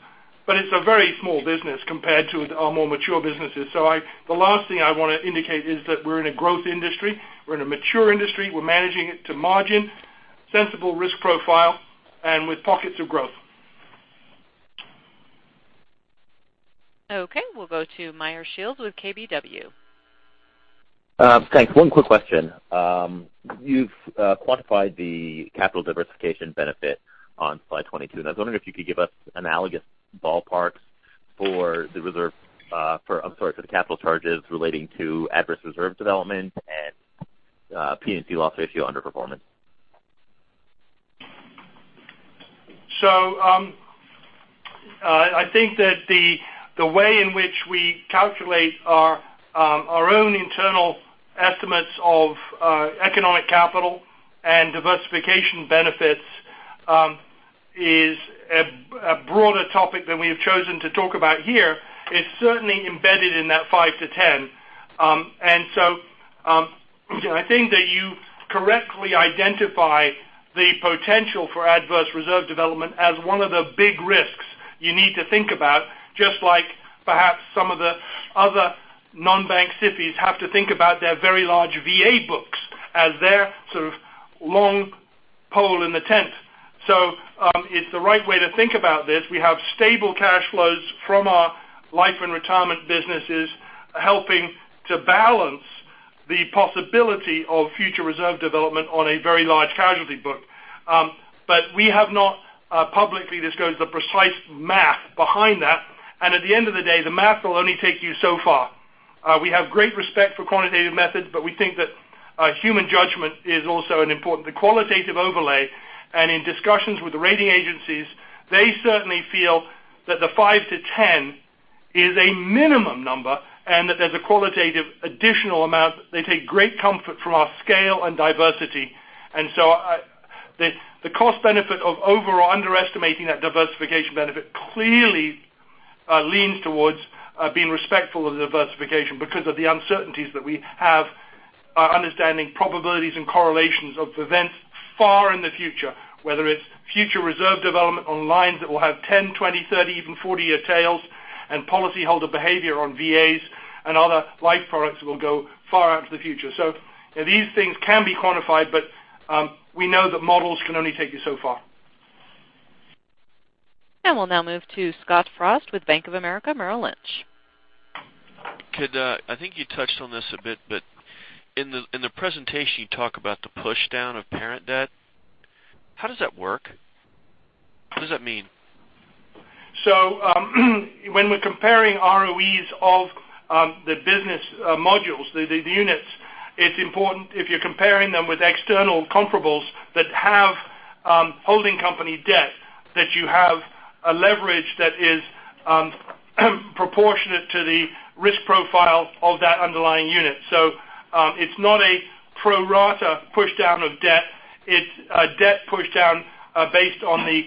but it's a very small business compared to our more mature businesses. The last thing I want to indicate is that we're in a growth industry. We're in a mature industry. We're managing it to margin, sensible risk profile, and with pockets of growth. Okay, we'll go to Meyer Shields with KBW. Thanks. One quick question. You've quantified the capital diversification benefit on slide 22. I was wondering if you could give us analogous ballparks for the capital charges relating to adverse reserve development and P&C loss ratio underperformance. I think that the way in which we calculate our own internal estimates of economic capital and diversification benefits is a broader topic than we have chosen to talk about here. It's certainly embedded in that five to 10. I think that you correctly identify the potential for adverse reserve development as one of the big risks you need to think about, just like perhaps some of the other non-bank SIFIs have to think about their very large VA books as their sort of long pole in the tent. It's the right way to think about this. We have stable cash flows from our life and retirement businesses helping to balance the possibility of future reserve development on a very large casualty book. We have not publicly disclosed the precise math behind that. At the end of the day, the math will only take you so far. We have great respect for quantitative methods, but we think that human judgment is also an important qualitative overlay. In discussions with the rating agencies, they certainly feel that the five to 10 is a minimum number and that there's a qualitative additional amount. They take great comfort from our scale and diversity. The cost benefit of over or underestimating that diversification benefit clearly leans towards being respectful of the diversification because of the uncertainties that we have understanding probabilities and correlations of events far in the future, whether it's future reserve development on lines that will have 10, 20, 30, even 40-year tails, and policyholder behavior on VAs and other life products that will go far out into the future. These things can be quantified, but we know that models can only take you so far. We'll now move to Scott Frost with Bank of America Merrill Lynch. I think you touched on this a bit, but in the presentation, you talk about the push-down of parent debt. How does that work? What does that mean? When we're comparing ROEs of the business modules, the units, it's important if you're comparing them with external comparables that have holding company debt, that you have a leverage that is proportionate to the risk profile of that underlying unit. It's not a pro-rata push-down of debt. It's a debt push-down based on the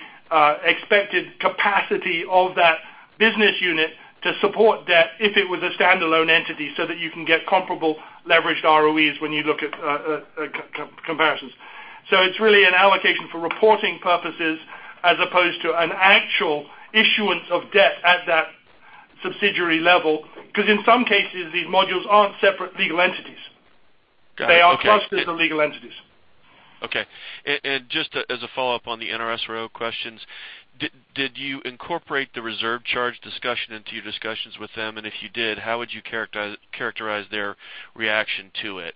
expected capacity of that business unit to support debt if it was a standalone entity so that you can get comparable leveraged ROEs when you look at comparisons. It's really an allocation for reporting purposes as opposed to an actual issuance of debt at that subsidiary level, because in some cases, these modules aren't separate legal entities. Got it. Okay. They are trusted legal entities. Okay. Just as a follow-up on the NRSRO questions, did you incorporate the reserve charge discussion into your discussions with them? If you did, how would you characterize their reaction to it?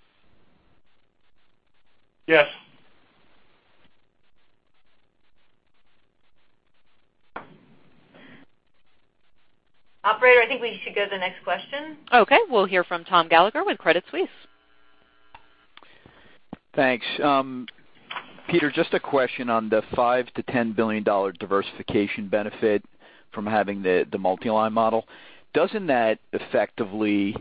Yes. Operator, I think we should go to the next question. Okay. We'll hear from Tom Gallagher with Credit Suisse. Thanks. Peter, just a question on the $5 billion-$10 billion diversification benefit from having the multi-line model. Doesn't that effectively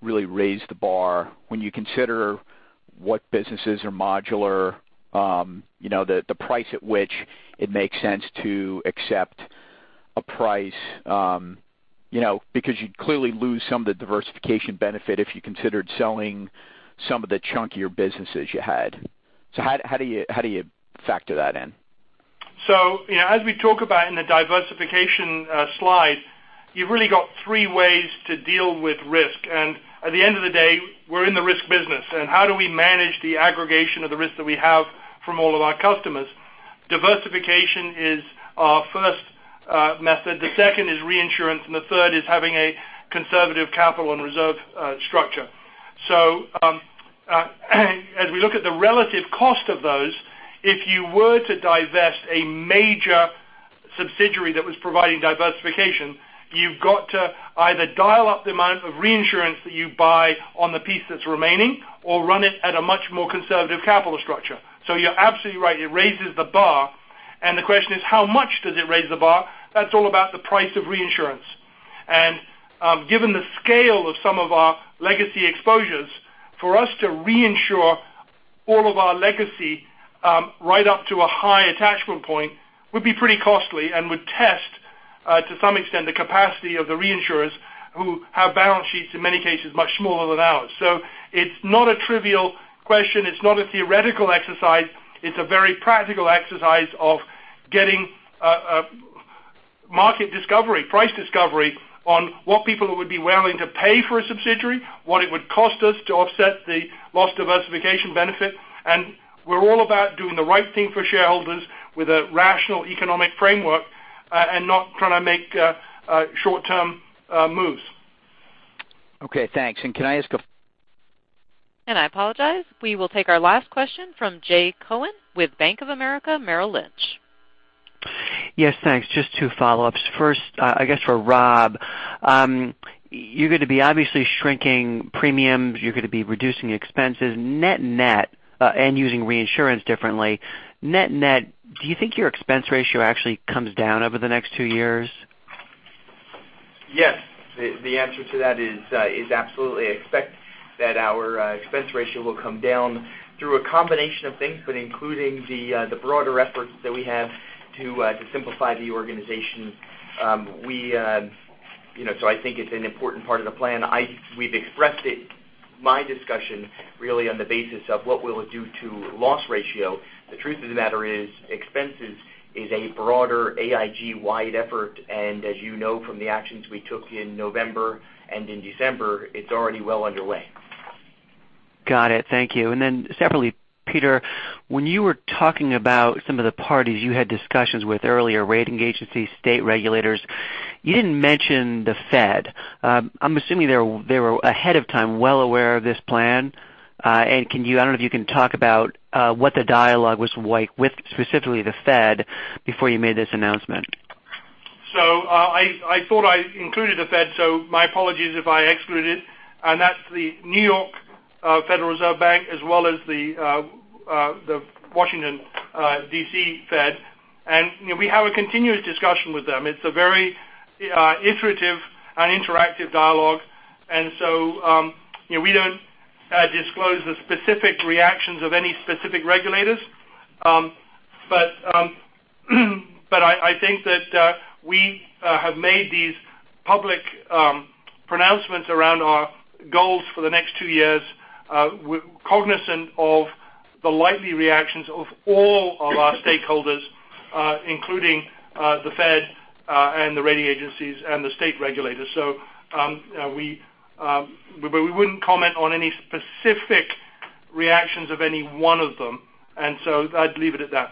really raise the bar when you consider what businesses are modular, the price at which it makes sense to accept a price, because you'd clearly lose some of the diversification benefit if you considered selling some of the chunkier businesses you had. How do you factor that in? As we talk about in the diversification slide, you've really got three ways to deal with risk. At the end of the day, we're in the risk business. How do we manage the aggregation of the risk that we have from all of our customers? Diversification is our first method, the second is reinsurance, and the third is having a conservative capital and reserve structure. As we look at the relative cost of those, if you were to divest a major subsidiary that was providing diversification, you've got to either dial up the amount of reinsurance that you buy on the piece that's remaining or run it at a much more conservative capital structure. You're absolutely right, it raises the bar, and the question is, how much does it raise the bar? That's all about the price of reinsurance. Given the scale of some of our legacy exposures, for us to reinsure all of our legacy right up to a high attachment point would be pretty costly and would test, to some extent, the capacity of the reinsurers who have balance sheets, in many cases, much smaller than ours. It's not a trivial question. It's not a theoretical exercise. It's a very practical exercise of getting market discovery, price discovery on what people would be willing to pay for a subsidiary, what it would cost us to offset the lost diversification benefit. We're all about doing the right thing for shareholders with a rational economic framework and not trying to make short-term moves. Okay, thanks. Can I ask I apologize. We will take our last question from Jay Cohen with Bank of America Merrill Lynch. Yes, thanks. Just two follow-ups. First, I guess for Rob. You're going to be obviously shrinking premiums. You're going to be reducing expenses and using reinsurance differently. Net net, do you think your expense ratio actually comes down over the next two years? Yes. The answer to that is absolutely. I expect that our expense ratio will come down through a combination of things, including the broader efforts that we have to simplify the organization. I think it's an important part of the plan. We've expressed it, my discussion, really on the basis of what will it do to loss ratio. The truth of the matter is expenses is a broader AIG-wide effort, and as you know from the actions we took in November and in December, it's already well underway. Got it. Thank you. Separately, Peter, when you were talking about some of the parties you had discussions with earlier, rating agencies, state regulators, you didn't mention the Fed. I'm assuming they were ahead of time, well aware of this plan. I don't know if you can talk about what the dialogue was like with specifically the Fed before you made this announcement. I thought I included the Fed, so my apologies if I excluded. That's the New York Federal Reserve Bank as well as the Washington, D.C. Fed. We have a continuous discussion with them. It's a very iterative and interactive dialogue. We don't disclose the specific reactions of any specific regulators. I think that we have made these public pronouncements around our goals for the next two years cognizant of the likely reactions of all of our stakeholders including the Fed and the rating agencies and the state regulators. We wouldn't comment on any specific reactions of any one of them. I'd leave it at that.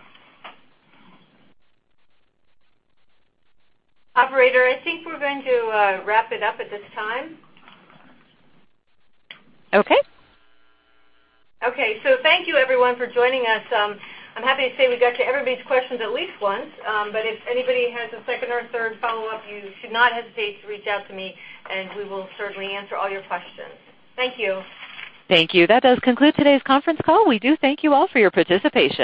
Operator, I think we're going to wrap it up at this time. Okay. Thank you everyone for joining us. I'm happy to say we got to everybody's questions at least once. If anybody has a second or third follow-up, you should not hesitate to reach out to me and we will certainly answer all your questions. Thank you. Thank you. That does conclude today's conference call. We do thank you all for your participation.